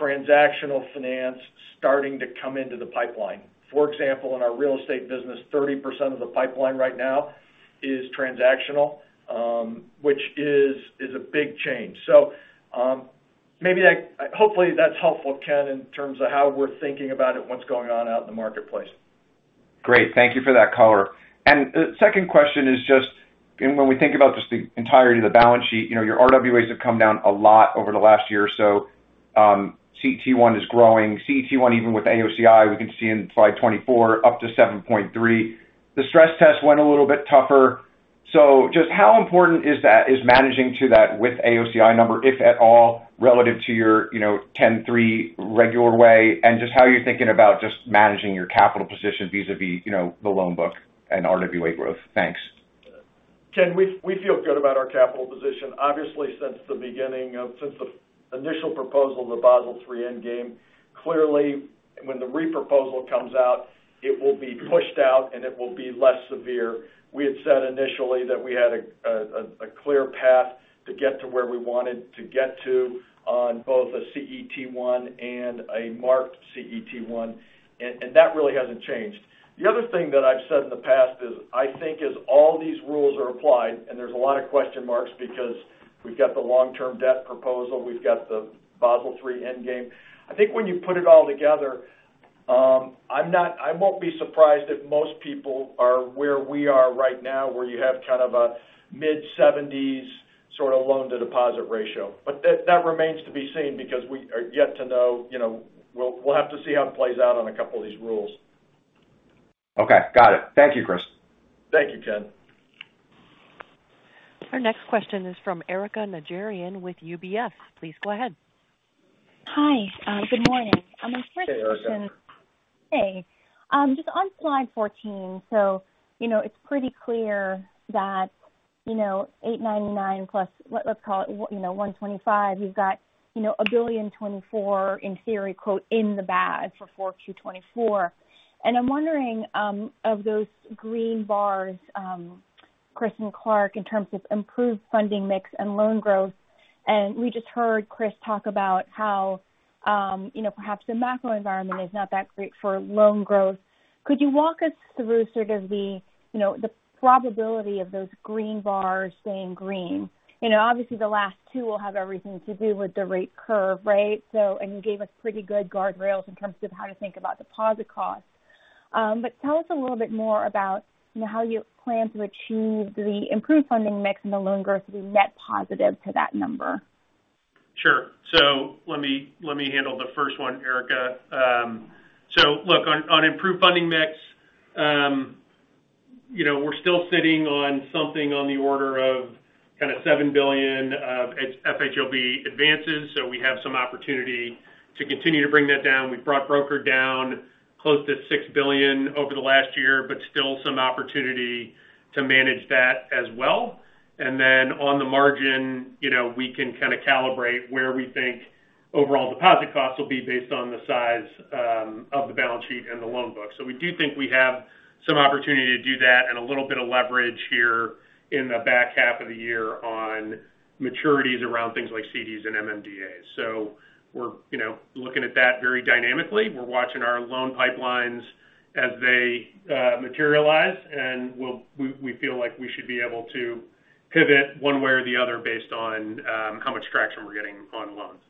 transactional finance starting to come into the pipeline. For example, in our real estate business, 30% of the pipeline right now is transactional, which is, is a big change. So, maybe that, hopefully, that's helpful, Ken, in terms of how we're thinking about it, what's going on out in the marketplace. Great. Thank you for that color. And the second question is just, when we think about just the entirety of the balance sheet, you know, your RWAs have come down a lot over the last year or so. CET1 is growing. CET1, even with AOCI, we can see in slide 24, up to 7.3. The stress test went a little bit tougher. So just how important is that, is managing to that with AOCI number, if at all, relative to your, you know, 10.3 regular way, and just how you're thinking about just managing your capital position vis-a-vis, you know, the loan book and RWA growth? Thanks. Ken, we feel good about our capital position. Obviously, since the initial proposal of the Basel III Endgame, clearly, when the reproposal comes out, it will be pushed out and it will be less severe. We had said initially that we had a clear path to get to where we wanted to get to on both a CET1 and a marked CET1, and that really hasn't changed. The other thing that I've said in the past is, I think as all these rules are applied, and there's a lot of question marks because we've got the long-term debt proposal, we've got the Basel III Endgame. I think when you put it all together, I'm not—I won't be surprised if most people are where we are right now, where you have kind of a mid-seventies sort of loan-to-deposit ratio. But that remains to be seen because we are yet to know, you know, we'll have to see how it plays out on a couple of these rules. Okay, got it. Thank you, Chris. Thank you, Ken. Our next question is from Erika Najarian with UBS. Please go ahead. Hi, good morning. Hey, just on slide 14, so, you know, it's pretty clear that, you know, $899 plus, let's call it, you know, $125, you've got, you know, $1.024 billion in theory, "in the bag" for Q4 2024. And I'm wondering, of those green bars, Chris and Clark, in terms of improved funding mix and loan growth, and we just heard Chris talk about how, you know, perhaps the macro environment is not that great for loan growth. Could you walk us through sort of the, you know, the probability of those green bars staying green? You know, obviously, the last two will have everything to do with the rate curve, right? So, and you gave us pretty good guardrails in terms of how to think about deposit costs. But tell us a little bit more about, you know, how you plan to achieve the improved funding mix and the loan growth to be net positive to that number? Sure. So let me, let me handle the first one, Erika. So look, on, on improved funding mix, you know, we're still sitting on something on the order of kind of $7 billion of FHLB advances, so we have some opportunity to continue to bring that down. We've brought brokered down close to $6 billion over the last year, but still some opportunity to manage that as well. And then on the margin, you know, we can kind of calibrate where we think overall deposit costs will be based on the size, of the balance sheet and the loan book. So we do think we have some opportunity to do that and a little bit of leverage here in the back half of the year on maturities around things like CDs and MMDAs. So we're, you know, looking at that very dynamically. We're watching our loan pipelines as they materialize, and we'll, we feel like we should be able to pivot one way or the other based on how much traction we're getting on loans.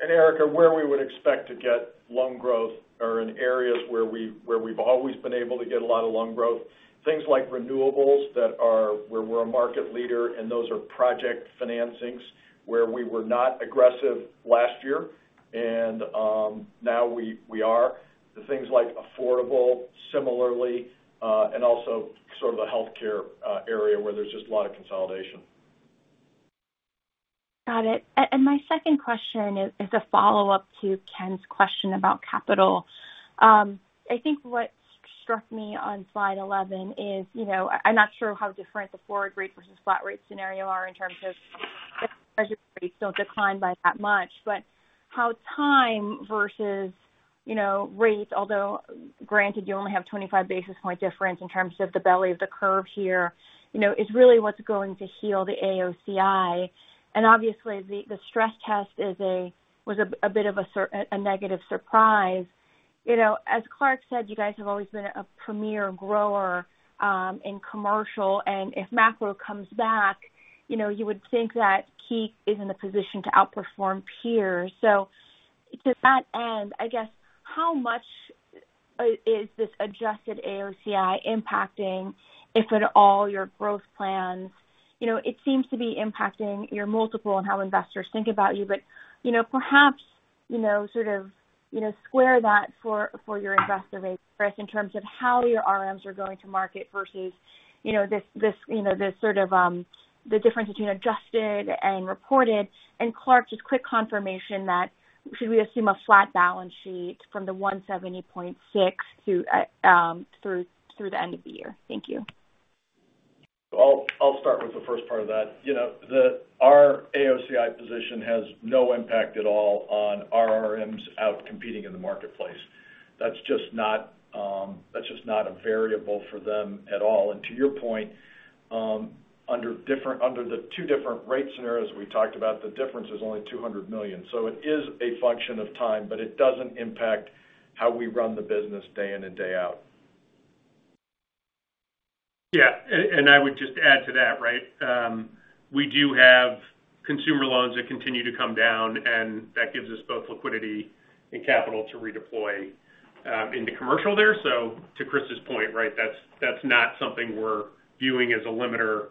And Erika, where we would expect to get loan growth or in areas where we, where we've always been able to get a lot of loan growth, things like renewables that are—where we're a market leader, and those are project financings where we were not aggressive last year, and now we, we are. Things like affordable, similarly, and also sort of the healthcare area where there's just a lot of consolidation. Got it. And my second question is a follow-up to Ken's question about capital. I think what struck me on slide 11 is, you know, I'm not sure how different the forward rate versus flat rate scenario are in terms of don't decline by that much, but how time versus, you know, rate, although granted, you only have 25 basis point difference in terms of the belly of the curve here, you know, is really what's going to heal the AOCI. And obviously, the stress test was a bit of a negative surprise. You know, as Clark said, you guys have always been a premier grower in commercial, and if macro comes back, you know, you would think that Key is in a position to outperform peers. So to that end, I guess, how much is this adjusted AOCI impacting, if at all, your growth plans? You know, it seems to be impacting your multiple and how investors think about you, but, you know, perhaps, you know, sort of, you know, square that for, for your investor base, Chris, in terms of how your RMs are going to market versus, you know, this, this, you know, this sort of, the difference between adjusted and reported. And Clark, just quick confirmation that should we assume a flat balance sheet from the $170.6 to, through, through the end of the year? Thank you. I'll start with the first part of that. You know, our AOCI position has no impact at all on our RMs out competing in the marketplace. That's just not, that's just not a variable for them at all. And to your point, under the two different rate scenarios we talked about, the difference is only $200 million. So it is a function of time, but it doesn't impact how we run the business day in and day out. Yeah, and I would just add to that, right? We do have consumer loans that continue to come down, and that gives us both liquidity and capital to redeploy into commercial there. So to Chris's point, right, that's not something we're viewing as a limiter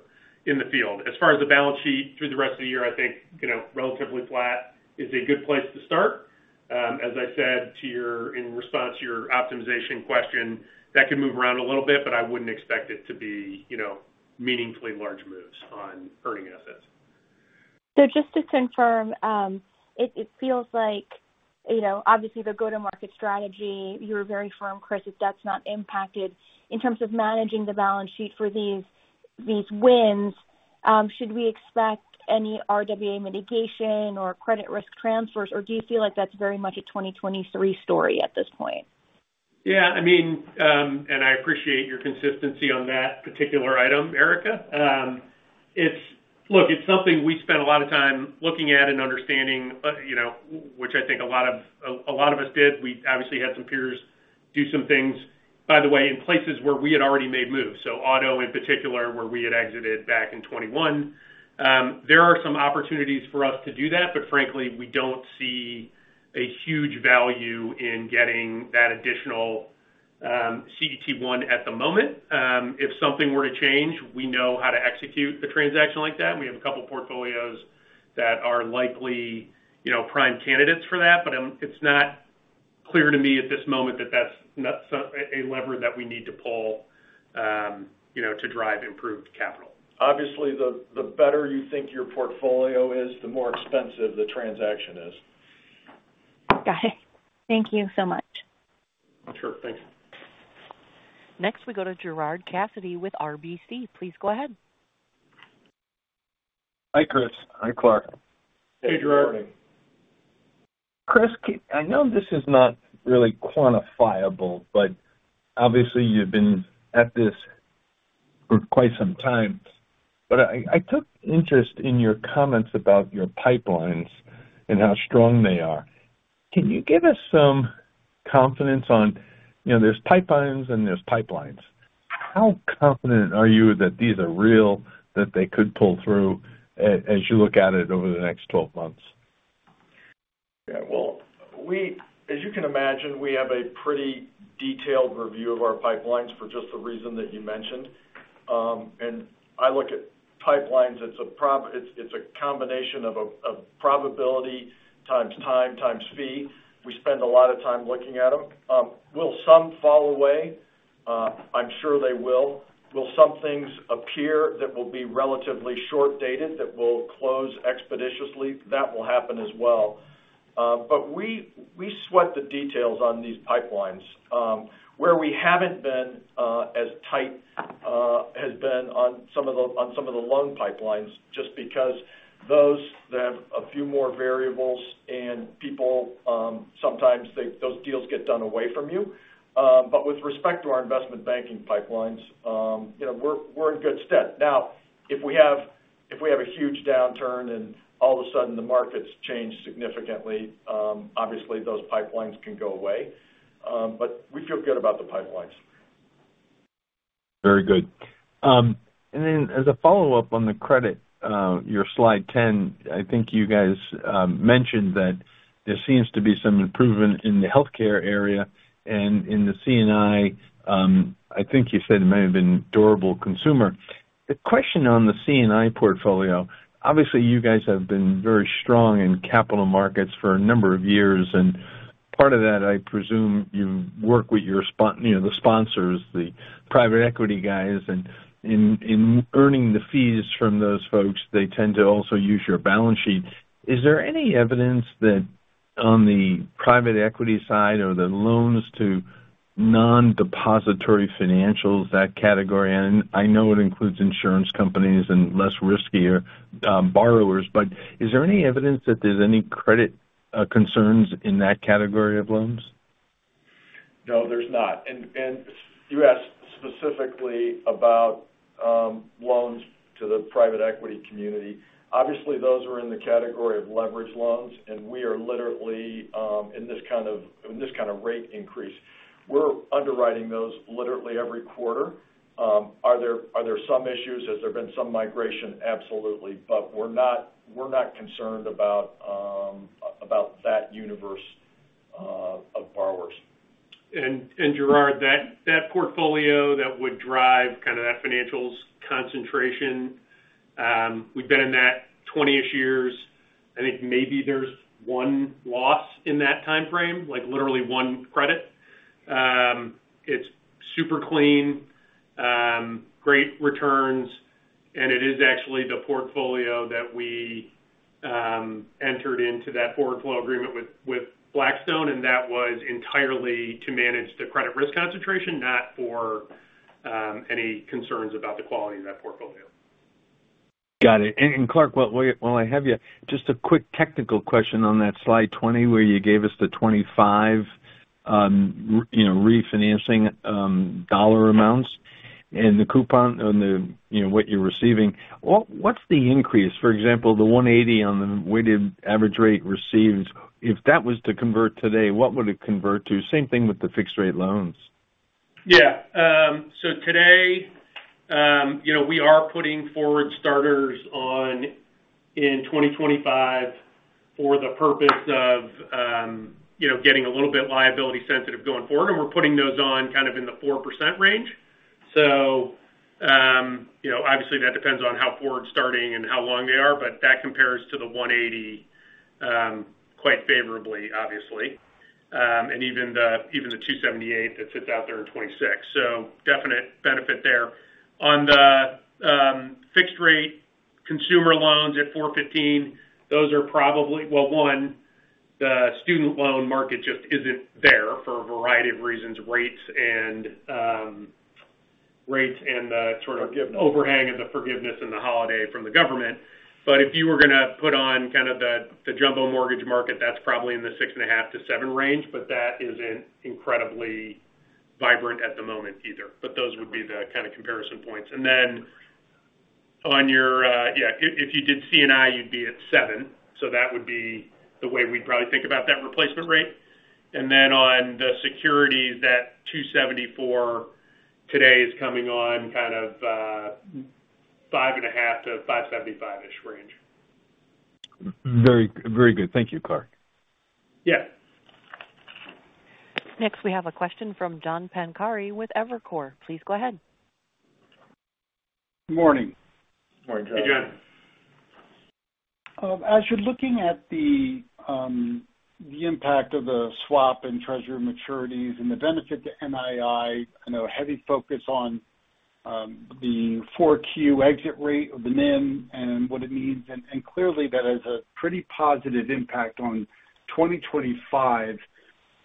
in the field. As far as the balance sheet through the rest of the year, I think, you know, relatively flat is a good place to start. As I said to your—in response to your optimization question, that can move around a little bit, but I wouldn't expect it to be, you know, meaningfully large moves on earning assets. So just to confirm, it feels like, you know, obviously, the go-to-market strategy, you're very firm, Chris, that that's not impacted. In terms of managing the balance sheet for these wins, should we expect any RWA mitigation or credit risk transfers, or do you feel like that's very much a 2023 story at this point? Yeah, I mean, and I appreciate your consistency on that particular item, Erika. It's, look, it's something we spent a lot of time looking at and understanding, you know, which I think a lot of us did. We obviously had some peers do some things, by the way, in places where we had already made moves. So auto, in particular, where we had exited back in 2021. There are some opportunities for us to do that, but frankly, we don't see a huge value in getting that additional CET1 at the moment. If something were to change, we know how to execute a transaction like that, and we have a couple portfolios that are likely, you know, prime candidates for that. But, it's not clear to me at this moment that that's not a lever that we need to pull, you know, to drive improved capital.... obviously, the better you think your portfolio is, the more expensive the transaction is. Got it. Thank you so much. Sure. Thanks. Next, we go to Gerard Cassidy with RBC. Please go ahead. Hi, Chris. Hi, Clark. Hey, Gerard. Hey, good morning. Chris, I know this is not really quantifiable, but obviously you've been at this for quite some time. But I took interest in your comments about your pipelines and how strong they are. Can you give us some confidence on, you know, there's pipelines and there's pipelines. How confident are you that these are real, that they could pull through as you look at it over the next twelve months? Yeah. Well, as you can imagine, we have a pretty detailed review of our pipelines for just the reason that you mentioned. And I look at pipelines, it's a combination of probability times time, times fee. We spend a lot of time looking at them. Will some fall away? I'm sure they will. Will some things appear that will be relatively short-dated, that will close expeditiously? That will happen as well. But we sweat the details on these pipelines. Where we haven't been as tight has been on some of the loan pipelines, just because those that have a few more variables and people, sometimes those deals get done away from you. But with respect to our investment banking pipelines, you know, we're in good stead. Now, if we have a huge downturn and all of a sudden the markets change significantly, obviously, those pipelines can go away. But we feel good about the pipelines. Very good. And then as a follow-up on the credit, your slide 10, I think you guys mentioned that there seems to be some improvement in the healthcare area and in the C&I. I think you said it may have been durable consumer. The question on the C&I portfolio, obviously, you guys have been very strong in capital markets for a number of years, and part of that, I presume you work with your you know, the sponsors, the private equity guys, and in, in earning the fees from those folks, they tend to also use your balance sheet. Is there any evidence that on the private equity side or the loans to non-depository financials, that category, and I know it includes insurance companies and less riskier borrowers, but is there any evidence that there's any credit concerns in that category of loans? No, there's not. And you asked specifically about loans to the private equity community. Obviously, those are in the category of leveraged loans, and we are literally in this kind of rate increase. We're underwriting those literally every quarter. Are there some issues? Has there been some migration? Absolutely. But we're not concerned about that universe of borrowers. Gerard, that portfolio that would drive kind of that financials concentration, we've been in that 20-ish years. I think maybe there's one loss in that timeframe, like literally one credit. It's super clean, great returns, and it is actually the portfolio that we entered into that forward flow agreement with Blackstone, and that was entirely to manage the credit risk concentration, not for any concerns about the quality of that portfolio. Got it. And Clark, while I have you, just a quick technical question on that slide 20, where you gave us the 25, you know, refinancing, dollar amounts and the coupon on the, you know, what you're receiving. What’s the increase? For example, the 180 on the weighted average rate received, if that was to convert today, what would it convert to? Same thing with the fixed rate loans. Yeah. So today, you know, we are putting forward starters on in 2025 for the purpose of, you know, getting a little bit liability sensitive going forward, and we're putting those on kind of in the 4% range. So, you know, obviously, that depends on how forward starting and how long they are, but that compares to the 180, quite favorably, obviously. And even the, even the 278 that sits out there in 2026. So definite benefit there. On the, fixed rate, consumer loans at 4.15, those are probably... Well, one, the student loan market just isn't there for a variety of reasons, rates and, rates and the sort of overhang of the forgiveness and the holiday from the government. But if you were gonna put on kind of the jumbo mortgage market, that's probably in the 6.5-7 range, but that isn't incredibly vibrant at the moment either. But those would be the kind of comparison points. And then on your, if you did C&I, you'd be at 7, so that would be the way we'd probably think about that replacement rate. And then on the securities, that 2.74 today is coming on kind of five and a half to 5.75-ish range. Very, very good. Thank you, Clark. Yeah. Next, we have a question from John Pancari with Evercore. Please go ahead. Good morning. Morning, John. Hey, John. ... as you're looking at the, the impact of the swap and treasury maturities and the benefit to NII, I know a heavy focus on, the 4Q exit rate of the NIM and what it means. And clearly that has a pretty positive impact on 2025.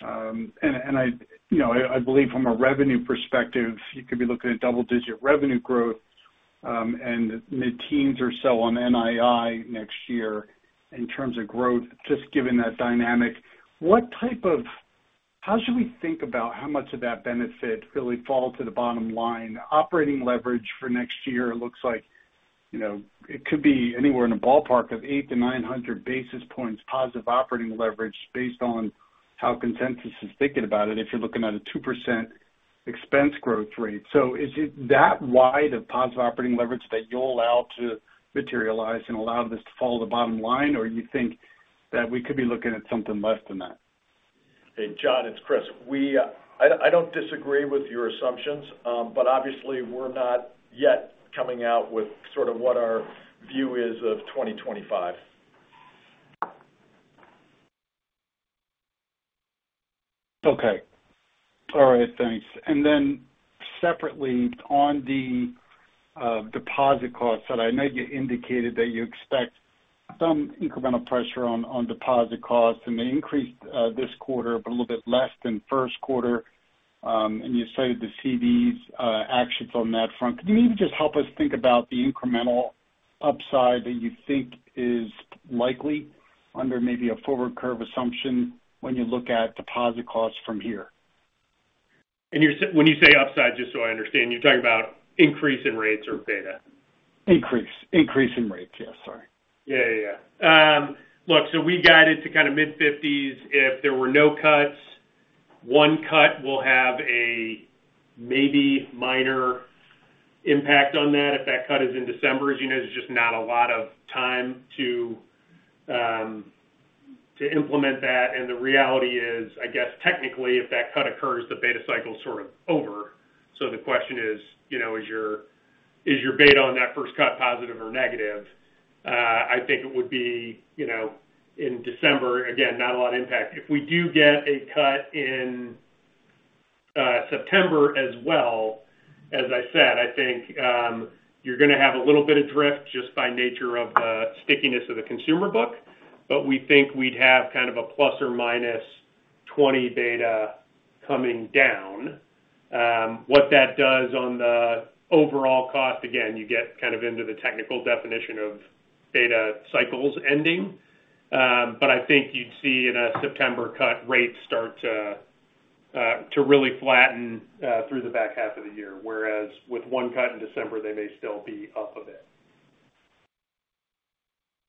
And I, you know, I believe from a revenue perspective, you could be looking at double-digit revenue growth, and mid-teens or so on NII next year in terms of growth, just given that dynamic. What type of-- how should we think about how much of that benefit really fall to the bottom line? Operating leverage for next year looks like, you know, it could be anywhere in the ballpark of 800-900 basis points, positive operating leverage, based on how consensus is thinking about it, if you're looking at a 2% expense growth rate. So is it that wide of positive operating leverage that you'll allow to materialize and allow this to fall to the bottom line? Or you think that we could be looking at something less than that? Hey, John, it's Chris. I don't disagree with your assumptions, but obviously we're not yet coming out with sort of what our view is of 2025. Okay. All right, thanks. And then separately, on the deposit costs, that I know you indicated that you expect some incremental pressure on deposit costs, and they increased this quarter, but a little bit less than first quarter. And you cited the CDs actions on that front. Could you maybe just help us think about the incremental upside that you think is likely under maybe a forward curve assumption when you look at deposit costs from here? You're saying, when you say upside, just so I understand, you're talking about increase in rates or beta? Increase, increase in rates. Yes, sorry. Yeah, yeah, yeah. Look, so we guided to kind of mid-fifties if there were no cuts. One cut will have a maybe minor impact on that. If that cut is in December, as you know, there's just not a lot of time to implement that. And the reality is, I guess technically, if that cut occurs, the beta cycle is sort of over. So the question is, you know, is your beta on that first cut positive or negative? I think it would be, you know, in December, again, not a lot of impact. If we do get a cut in September as well, as I said, I think you're going to have a little bit of drift just by nature of the stickiness of the consumer book, but we think we'd have kind of a ±20 beta coming down. What that does on the overall cost, again, you get kind of into the technical definition of beta cycles ending. But I think you'd see in a September cut, rates start to really flatten through the back half of the year, whereas with one cut in December, they may still be up a bit.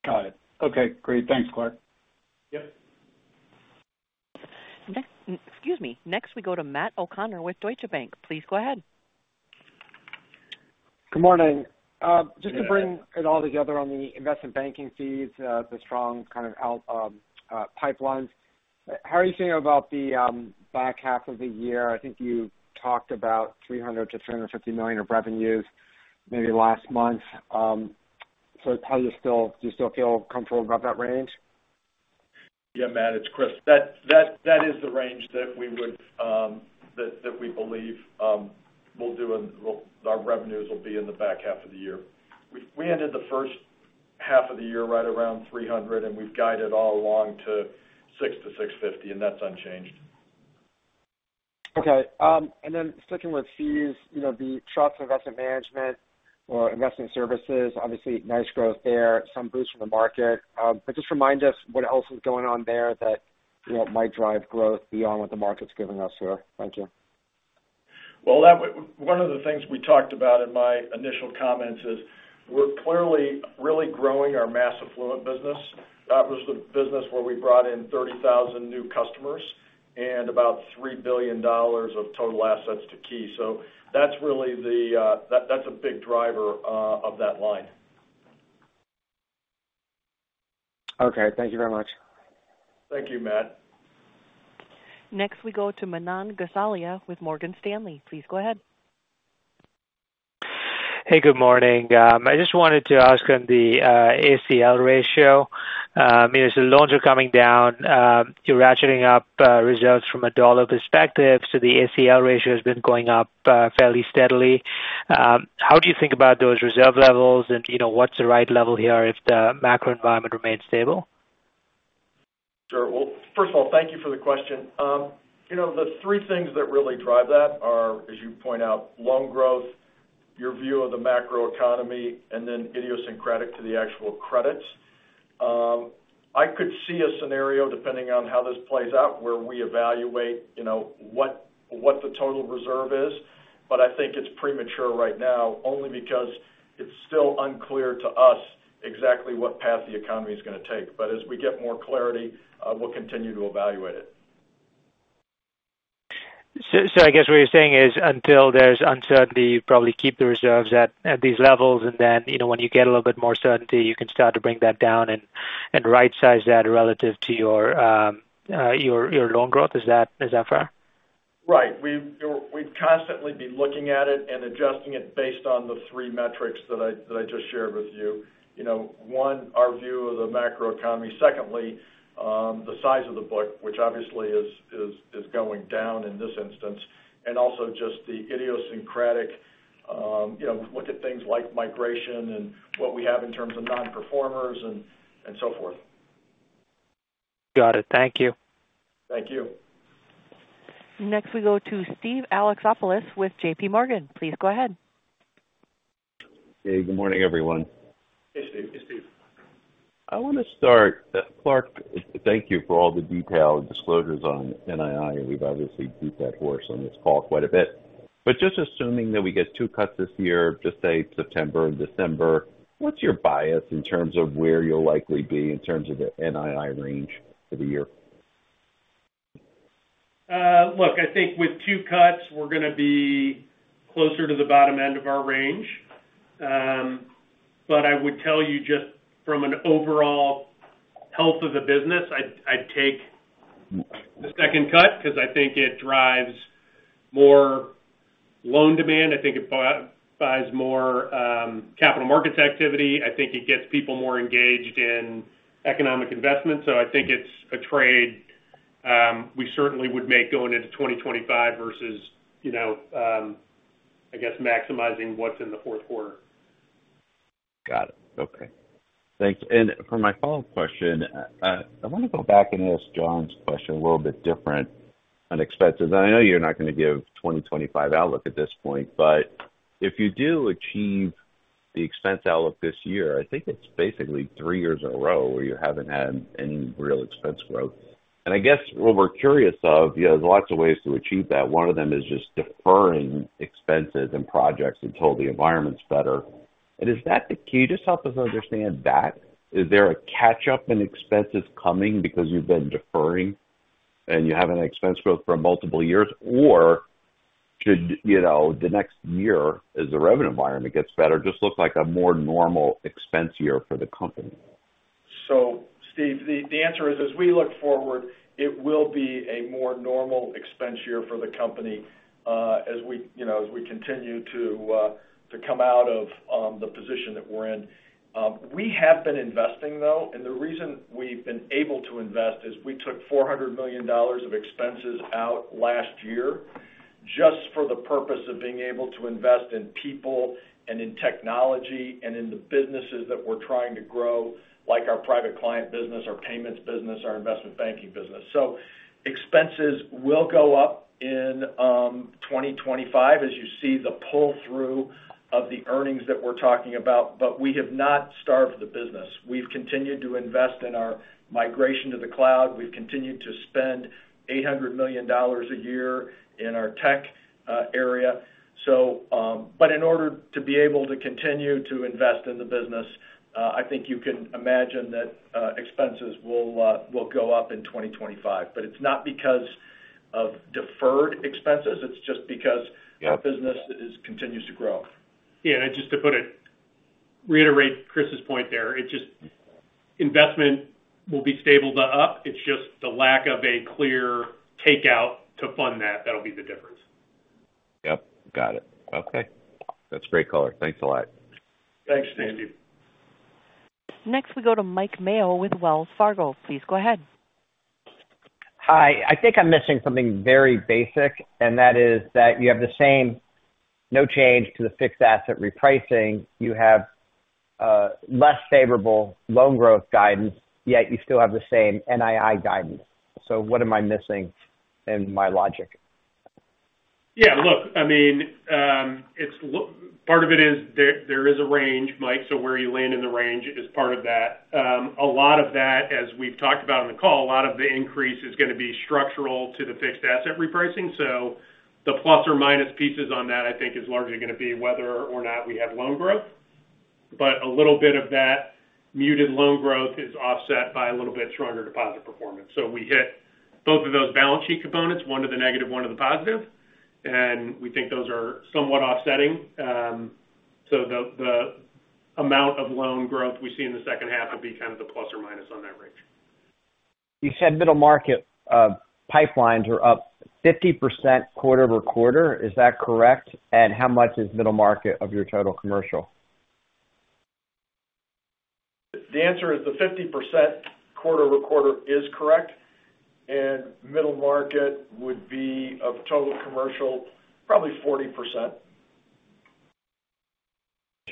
Got it. Okay, great. Thanks, Clark. Yep. Excuse me. Next, we go to Matt O'Connor with Deutsche Bank. Please go ahead. Good morning. Good morning. Just to bring it all together on the investment banking fees, the strong kind of out pipelines, how are you thinking about the back half of the year? I think you talked about $300 million-$350 million of revenues maybe last month. So how are you still- do you still feel comfortable about that range? Yeah, Matt, it's Chris. That is the range that we would, that we believe we'll do and we'll—our revenues will be in the back half of the year. We ended the first half of the year right around $300, and we've guided all along to $600-$650, and that's unchanged. Okay, and then sticking with fees, you know, the trusts investment management or investment services, obviously nice growth there, some boost from the market. But just remind us what else is going on there that, you know, might drive growth beyond what the market's giving us here. Thank you. Well, one of the things we talked about in my initial comments is, we're clearly really growing our mass affluent business. That was the business where we brought in 30,000 new customers and about $3 billion of total assets to Key. So that's really the, that, that's a big driver, of that line. Okay, thank you very much. Thank you, Matt. Next, we go to Manan Gosalia with Morgan Stanley. Please go ahead. Hey, good morning. I just wanted to ask on the ACL ratio. As the loans are coming down, you're ratcheting up reserves from a dollar perspective, so the ACL ratio has been going up fairly steadily. How do you think about those reserve levels? And, you know, what's the right level here if the macro environment remains stable? Sure. Well, first of all, thank you for the question. You know, the three things that really drive that are, as you point out, loan growth, your view of the macroeconomy, and then idiosyncratic to the actual credits. I could see a scenario, depending on how this plays out, where we evaluate, you know, what the total reserve is, but I think it's premature right now, only because it's still unclear to us exactly what path the economy is going to take. But as we get more clarity, we'll continue to evaluate it. So, I guess what you're saying is, until there's uncertainty, you probably keep the reserves at these levels, and then, you know, when you get a little bit more certainty, you can start to bring that down and rightsize that relative to your loan growth. Is that fair?... Right. We've constantly been looking at it and adjusting it based on the three metrics that I just shared with you. You know, one, our view of the macroeconomy. Secondly, the size of the book, which obviously is going down in this instance, and also just the idiosyncratic, you know, look at things like migration and what we have in terms of non-performers and so forth. Got it. Thank you. Thank you. Next, we go to Steve Alexopoulos with JP Morgan. Please go ahead. Hey, good morning, everyone. Hey, Steve. Hey, Steve. I want to start, Clark. Thank you for all the detailed disclosures on NII. We've obviously beat that horse on this call quite a bit. But just assuming that we get 2 cuts this year, just say September and December, what's your bias in terms of where you'll likely be in terms of the NII range for the year? Look, I think with two cuts, we're going to be closer to the bottom end of our range. But I would tell you just from an overall health of the business, I'd take the second cut because I think it drives more loan demand. I think it buys more capital markets activity. I think it gets people more engaged in economic investment. So I think it's a trade we certainly would make going into 2025 versus, you know, I guess, maximizing what's in the fourth quarter. Got it. Okay. Thanks. And for my follow-up question, I want to go back and ask John's question a little bit different on expenses. I know you're not going to give 2025 outlook at this point, but if you do achieve the expense outlook this year, I think it's basically three years in a row where you haven't had any real expense growth. And I guess what we're curious of, there's lots of ways to achieve that. One of them is just deferring expenses and projects until the environment's better. And is that the key? Just help us understand that. Is there a catch up in expenses coming because you've been deferring and you have an expense growth for multiple years? Or should, you know, the next year, as the rev environment gets better, just look like a more normal expense year for the company? So Steve, the answer is, as we look forward, it will be a more normal expense year for the company, as we you know as we continue to come out of the position that we're in. We have been investing, though, and the reason we've been able to invest is we took $400 million of expenses out last year just for the purpose of being able to invest in people and in technology and in the businesses that we're trying to grow, like our private client business, our payments business, our investment banking business. So expenses will go up in 2025, as you see the pull-through of the earnings that we're talking about, but we have not starved the business. We've continued to invest in our migration to the cloud. We've continued to spend $800 million a year in our tech area. So, but in order to be able to continue to invest in the business, I think you can imagine that, expenses will go up in 2025. But it's not because of deferred expenses, it's just because the business is—continues to grow. Yeah, just to put it... reiterate Chris's point there, it's just investment will be stable to up. It's just the lack of a clear takeout to fund that. That'll be the difference. Yep, got it. Okay, that's great, color. Thanks a lot. Thanks, Steve. Next, we go to Mike Mayo with Wells Fargo. Please go ahead. Hi. I think I'm missing something very basic, and that is that you have the same no change to the fixed asset repricing. You have less favorable loan growth guidance, yet you still have the same NII guidance. So what am I missing in my logic? Yeah, look, I mean, it's part of it. There is a range, Mike, so where you land in the range is part of that. A lot of that, as we've talked about on the call, a lot of the increase is going to be structural to the fixed asset repricing. So the plus or minus pieces on that, I think, is largely going to be whether or not we have loan growth. But a little bit of that muted loan growth is offset by a little bit stronger deposit performance. So we hit both of those balance sheet components, one to the negative, one to the positive, and we think those are somewhat offsetting. So the amount of loan growth we see in the second half will be kind of the plus or minus on that range. You said middle market pipelines are up 50% quarter-over-quarter. Is that correct? And how much is middle market of your total commercial? The answer is the 50% quarter-over-quarter is correct, and middle market would be, of total commercial, probably 40%.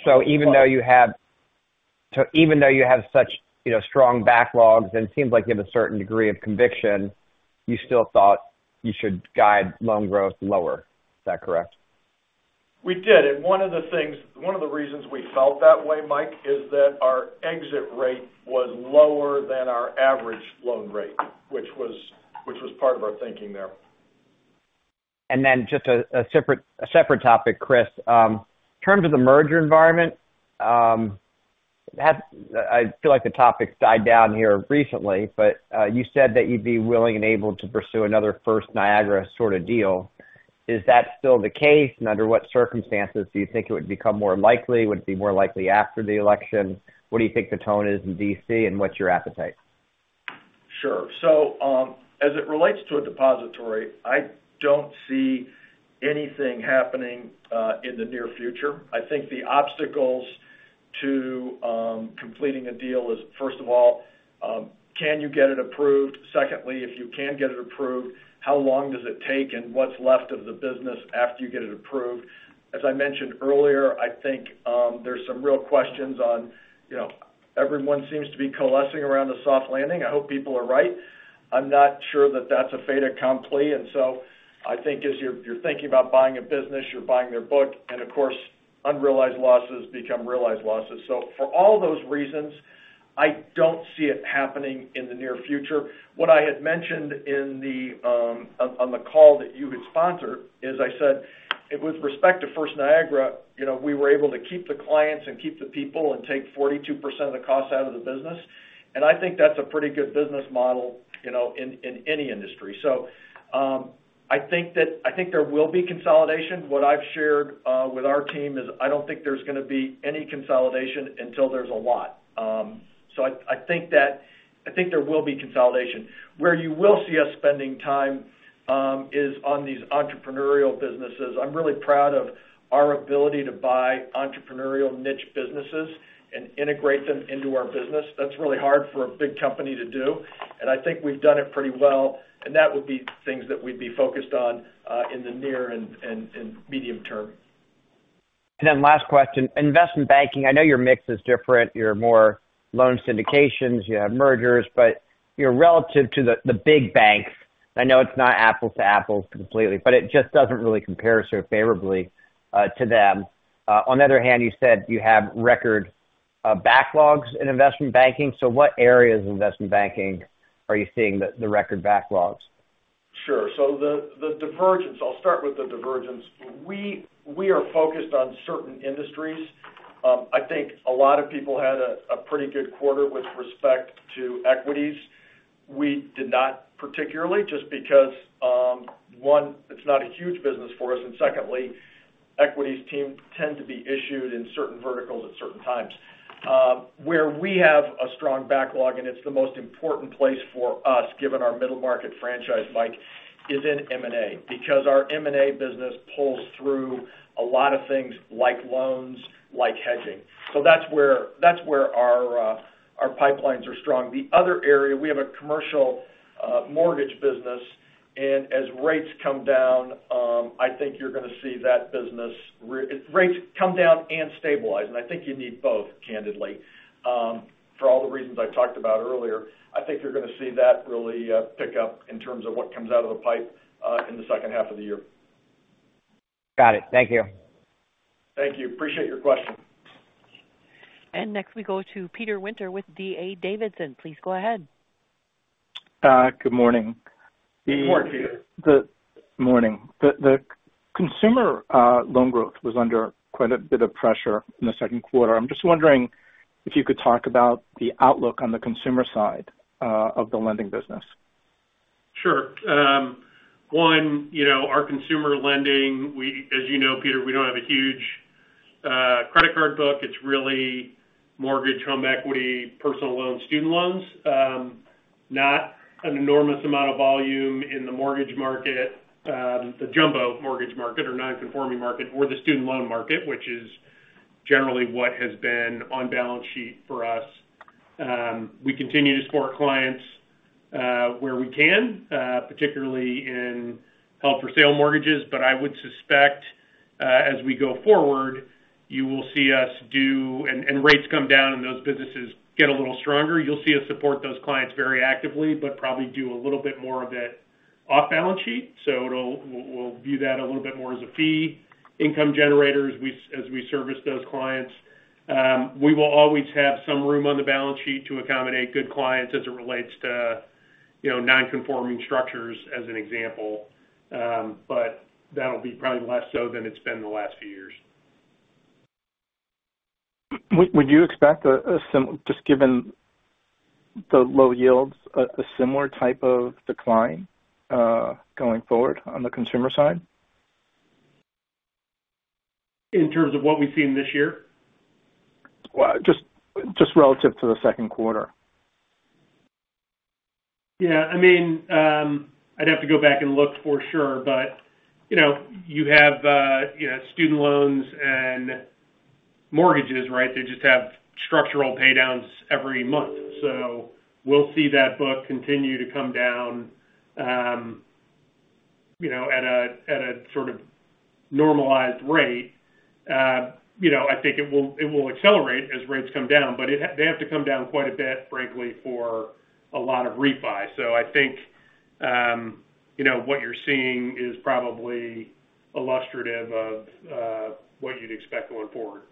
So even though you have such, you know, strong backlogs and it seems like you have a certain degree of conviction, you still thought you should guide loan growth lower. Is that correct? We did. And one of the things, one of the reasons we felt that way, Mike, is that our exit rate was lower than our average loan rate, which was part of our thinking there. And then just a separate topic, Chris. In terms of the merger environment, I feel like the topic died down here recently, but you said that you'd be willing and able to pursue another First Niagara sort of deal? Is that still the case? And under what circumstances do you think it would become more likely? Would it be more likely after the election? What do you think the tone is in D.C., and what's your appetite? Sure. So, as it relates to a depository, I don't see anything happening in the near future. I think the obstacles to completing a deal is, first of all, can you get it approved? Secondly, if you can get it approved, how long does it take, and what's left of the business after you get it approved? As I mentioned earlier, I think, there's some real questions on, you know, everyone seems to be coalescing around a soft landing. I hope people are right. I'm not sure that that's a fait accompli, and so I think as you're thinking about buying a business, you're buying their book, and of course, unrealized losses become realized losses. So for all those reasons, I don't see it happening in the near future. What I had mentioned on the call that you had sponsored, is I said, with respect to First Niagara, you know, we were able to keep the clients and keep the people and take 42% of the costs out of the business, and I think that's a pretty good business model, you know, in any industry. So, I think that I think there will be consolidation. What I've shared with our team is I don't think there's gonna be any consolidation until there's a lot. So I think that I think there will be consolidation. Where you will see us spending time is on these entrepreneurial businesses. I'm really proud of our ability to buy entrepreneurial niche businesses and integrate them into our business. That's really hard for a big company to do, and I think we've done it pretty well, and that would be things that we'd be focused on, in the near and medium term. Last question. Investment banking, I know your mix is different. You're more loan syndications, you have mergers, but you're relative to the big banks, I know it's not apples to apples completely, but it just doesn't really compare so favorably to them. On the other hand, you said you have record backlogs in investment banking. So what areas of investment banking are you seeing the record backlogs? Sure. So the divergence, I'll start with the divergence. We are focused on certain industries. I think a lot of people had a pretty good quarter with respect to equities. We did not, particularly, just because one, it's not a huge business for us, and secondly, equities team tend to be issued in certain verticals at certain times. Where we have a strong backlog, and it's the most important place for us, given our middle market franchise, Mike, is in M&A. Because our M&A business pulls through a lot of things like loans, like hedging. So that's where our pipelines are strong. The other area, we have a commercial mortgage business, and as rates come down, I think you're gonna see that business rates come down and stabilize, and I think you need both, candidly, for all the reasons I talked about earlier. I think you're gonna see that really pick up in terms of what comes out of the pipe in the second half of the year. Got it. Thank you. Thank you. Appreciate your question. Next, we go to Peter Winter with D.A. Davidson. Please go ahead. Good morning. Good morning, Peter. The consumer loan growth was under quite a bit of pressure in the second quarter. I'm just wondering if you could talk about the outlook on the consumer side of the lending business. Sure. You know, our consumer lending, as you know, Peter, we don't have a huge credit card book. It's really mortgage, home equity, personal loans, student loans. Not an enormous amount of volume in the mortgage market, the jumbo mortgage market or non-conforming market or the student loan market, which is generally what has been on balance sheet for us. We continue to support clients where we can, particularly in held-for-sale mortgages, but I would suspect, as we go forward, you will see us do, and rates come down and those businesses get a little stronger. You'll see us support those clients very actively, but probably do a little bit more of it off balance sheet. So it'll. We'll view that a little bit more as a fee income generators as we service those clients. We will always have some room on the balance sheet to accommodate good clients as it relates to, you know, non-conforming structures, as an example. But that'll be probably less so than it's been in the last few years. Would you expect a similar type of decline, just given the low yields, going forward on the consumer side? In terms of what we've seen this year? Well, just, just relative to the second quarter. Yeah, I mean, I'd have to go back and look for sure, but, you know, you have, you know, student loans and mortgages, right? They just have structural paydowns every month. So we'll see that book continue to come down, at a sort of normalized rate. You know, I think it will accelerate as rates come down, but it—they have to come down quite a bit, frankly, for a lot of refi. So I think, you know, what you're seeing is probably illustrative of what you'd expect going forward.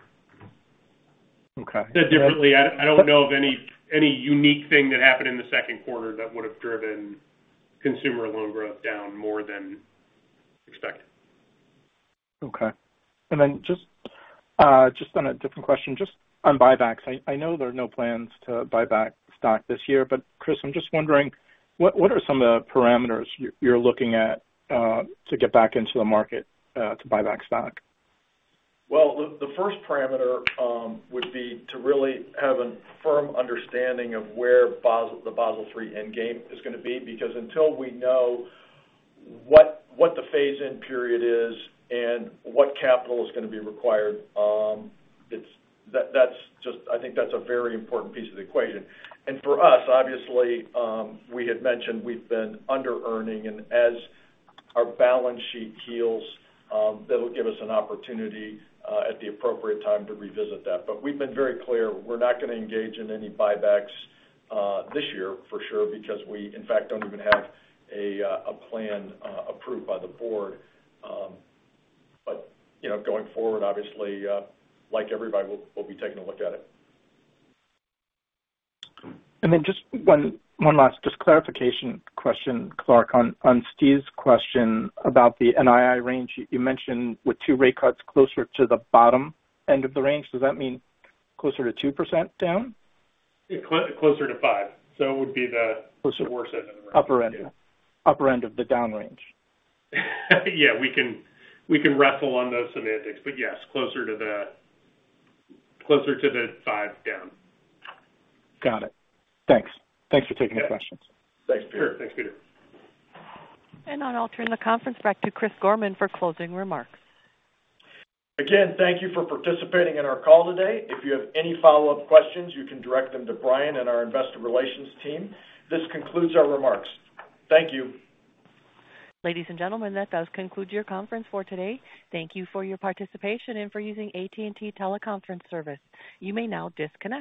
Okay. Said differently, I don't know of any unique thing that happened in the second quarter that would have driven consumer loan growth down more than expected.... Okay. And then just on a different question, just on buybacks. I know there are no plans to buy back stock this year, but Chris, I'm just wondering, what are some of the parameters you're looking at to get back into the market to buy back stock? Well, the first parameter would be to really have a firm understanding of where the Basel III endgame is going to be, because until we know what the phase-in period is and what capital is going to be required, that's just, I think, a very important piece of the equation. And for us, obviously, we had mentioned we've been under-earning, and as our balance sheet heals, that'll give us an opportunity at the appropriate time to revisit that. But we've been very clear, we're not going to engage in any buybacks this year, for sure, because we, in fact, don't even have a plan approved by the board. But you know, going forward, obviously, like everybody, we'll be taking a look at it. And then just one last clarification question, Clark, on Steve's question about the NII range. You mentioned with 2 rate cuts closer to the bottom end of the range. Does that mean closer to 2% down? Closer to 5. So it would be the- Closer worse end of the range. Upper end. Yeah. Upper end of the down range. Yeah, we can wrestle on those semantics, but yes, closer to the five down. Got it. Thanks. Thanks for taking the questions. Thanks, Peter. Thanks, Peter. Now I'll turn the conference back to Chris Gorman for closing remarks. Again, thank you for participating in our call today. If you have any follow-up questions, you can direct them to Brian and our investor relations team. This concludes our remarks. Thank you. Ladies and gentlemen, that does conclude your conference for today. Thank you for your participation and for using AT&T Teleconference Service. You may now disconnect.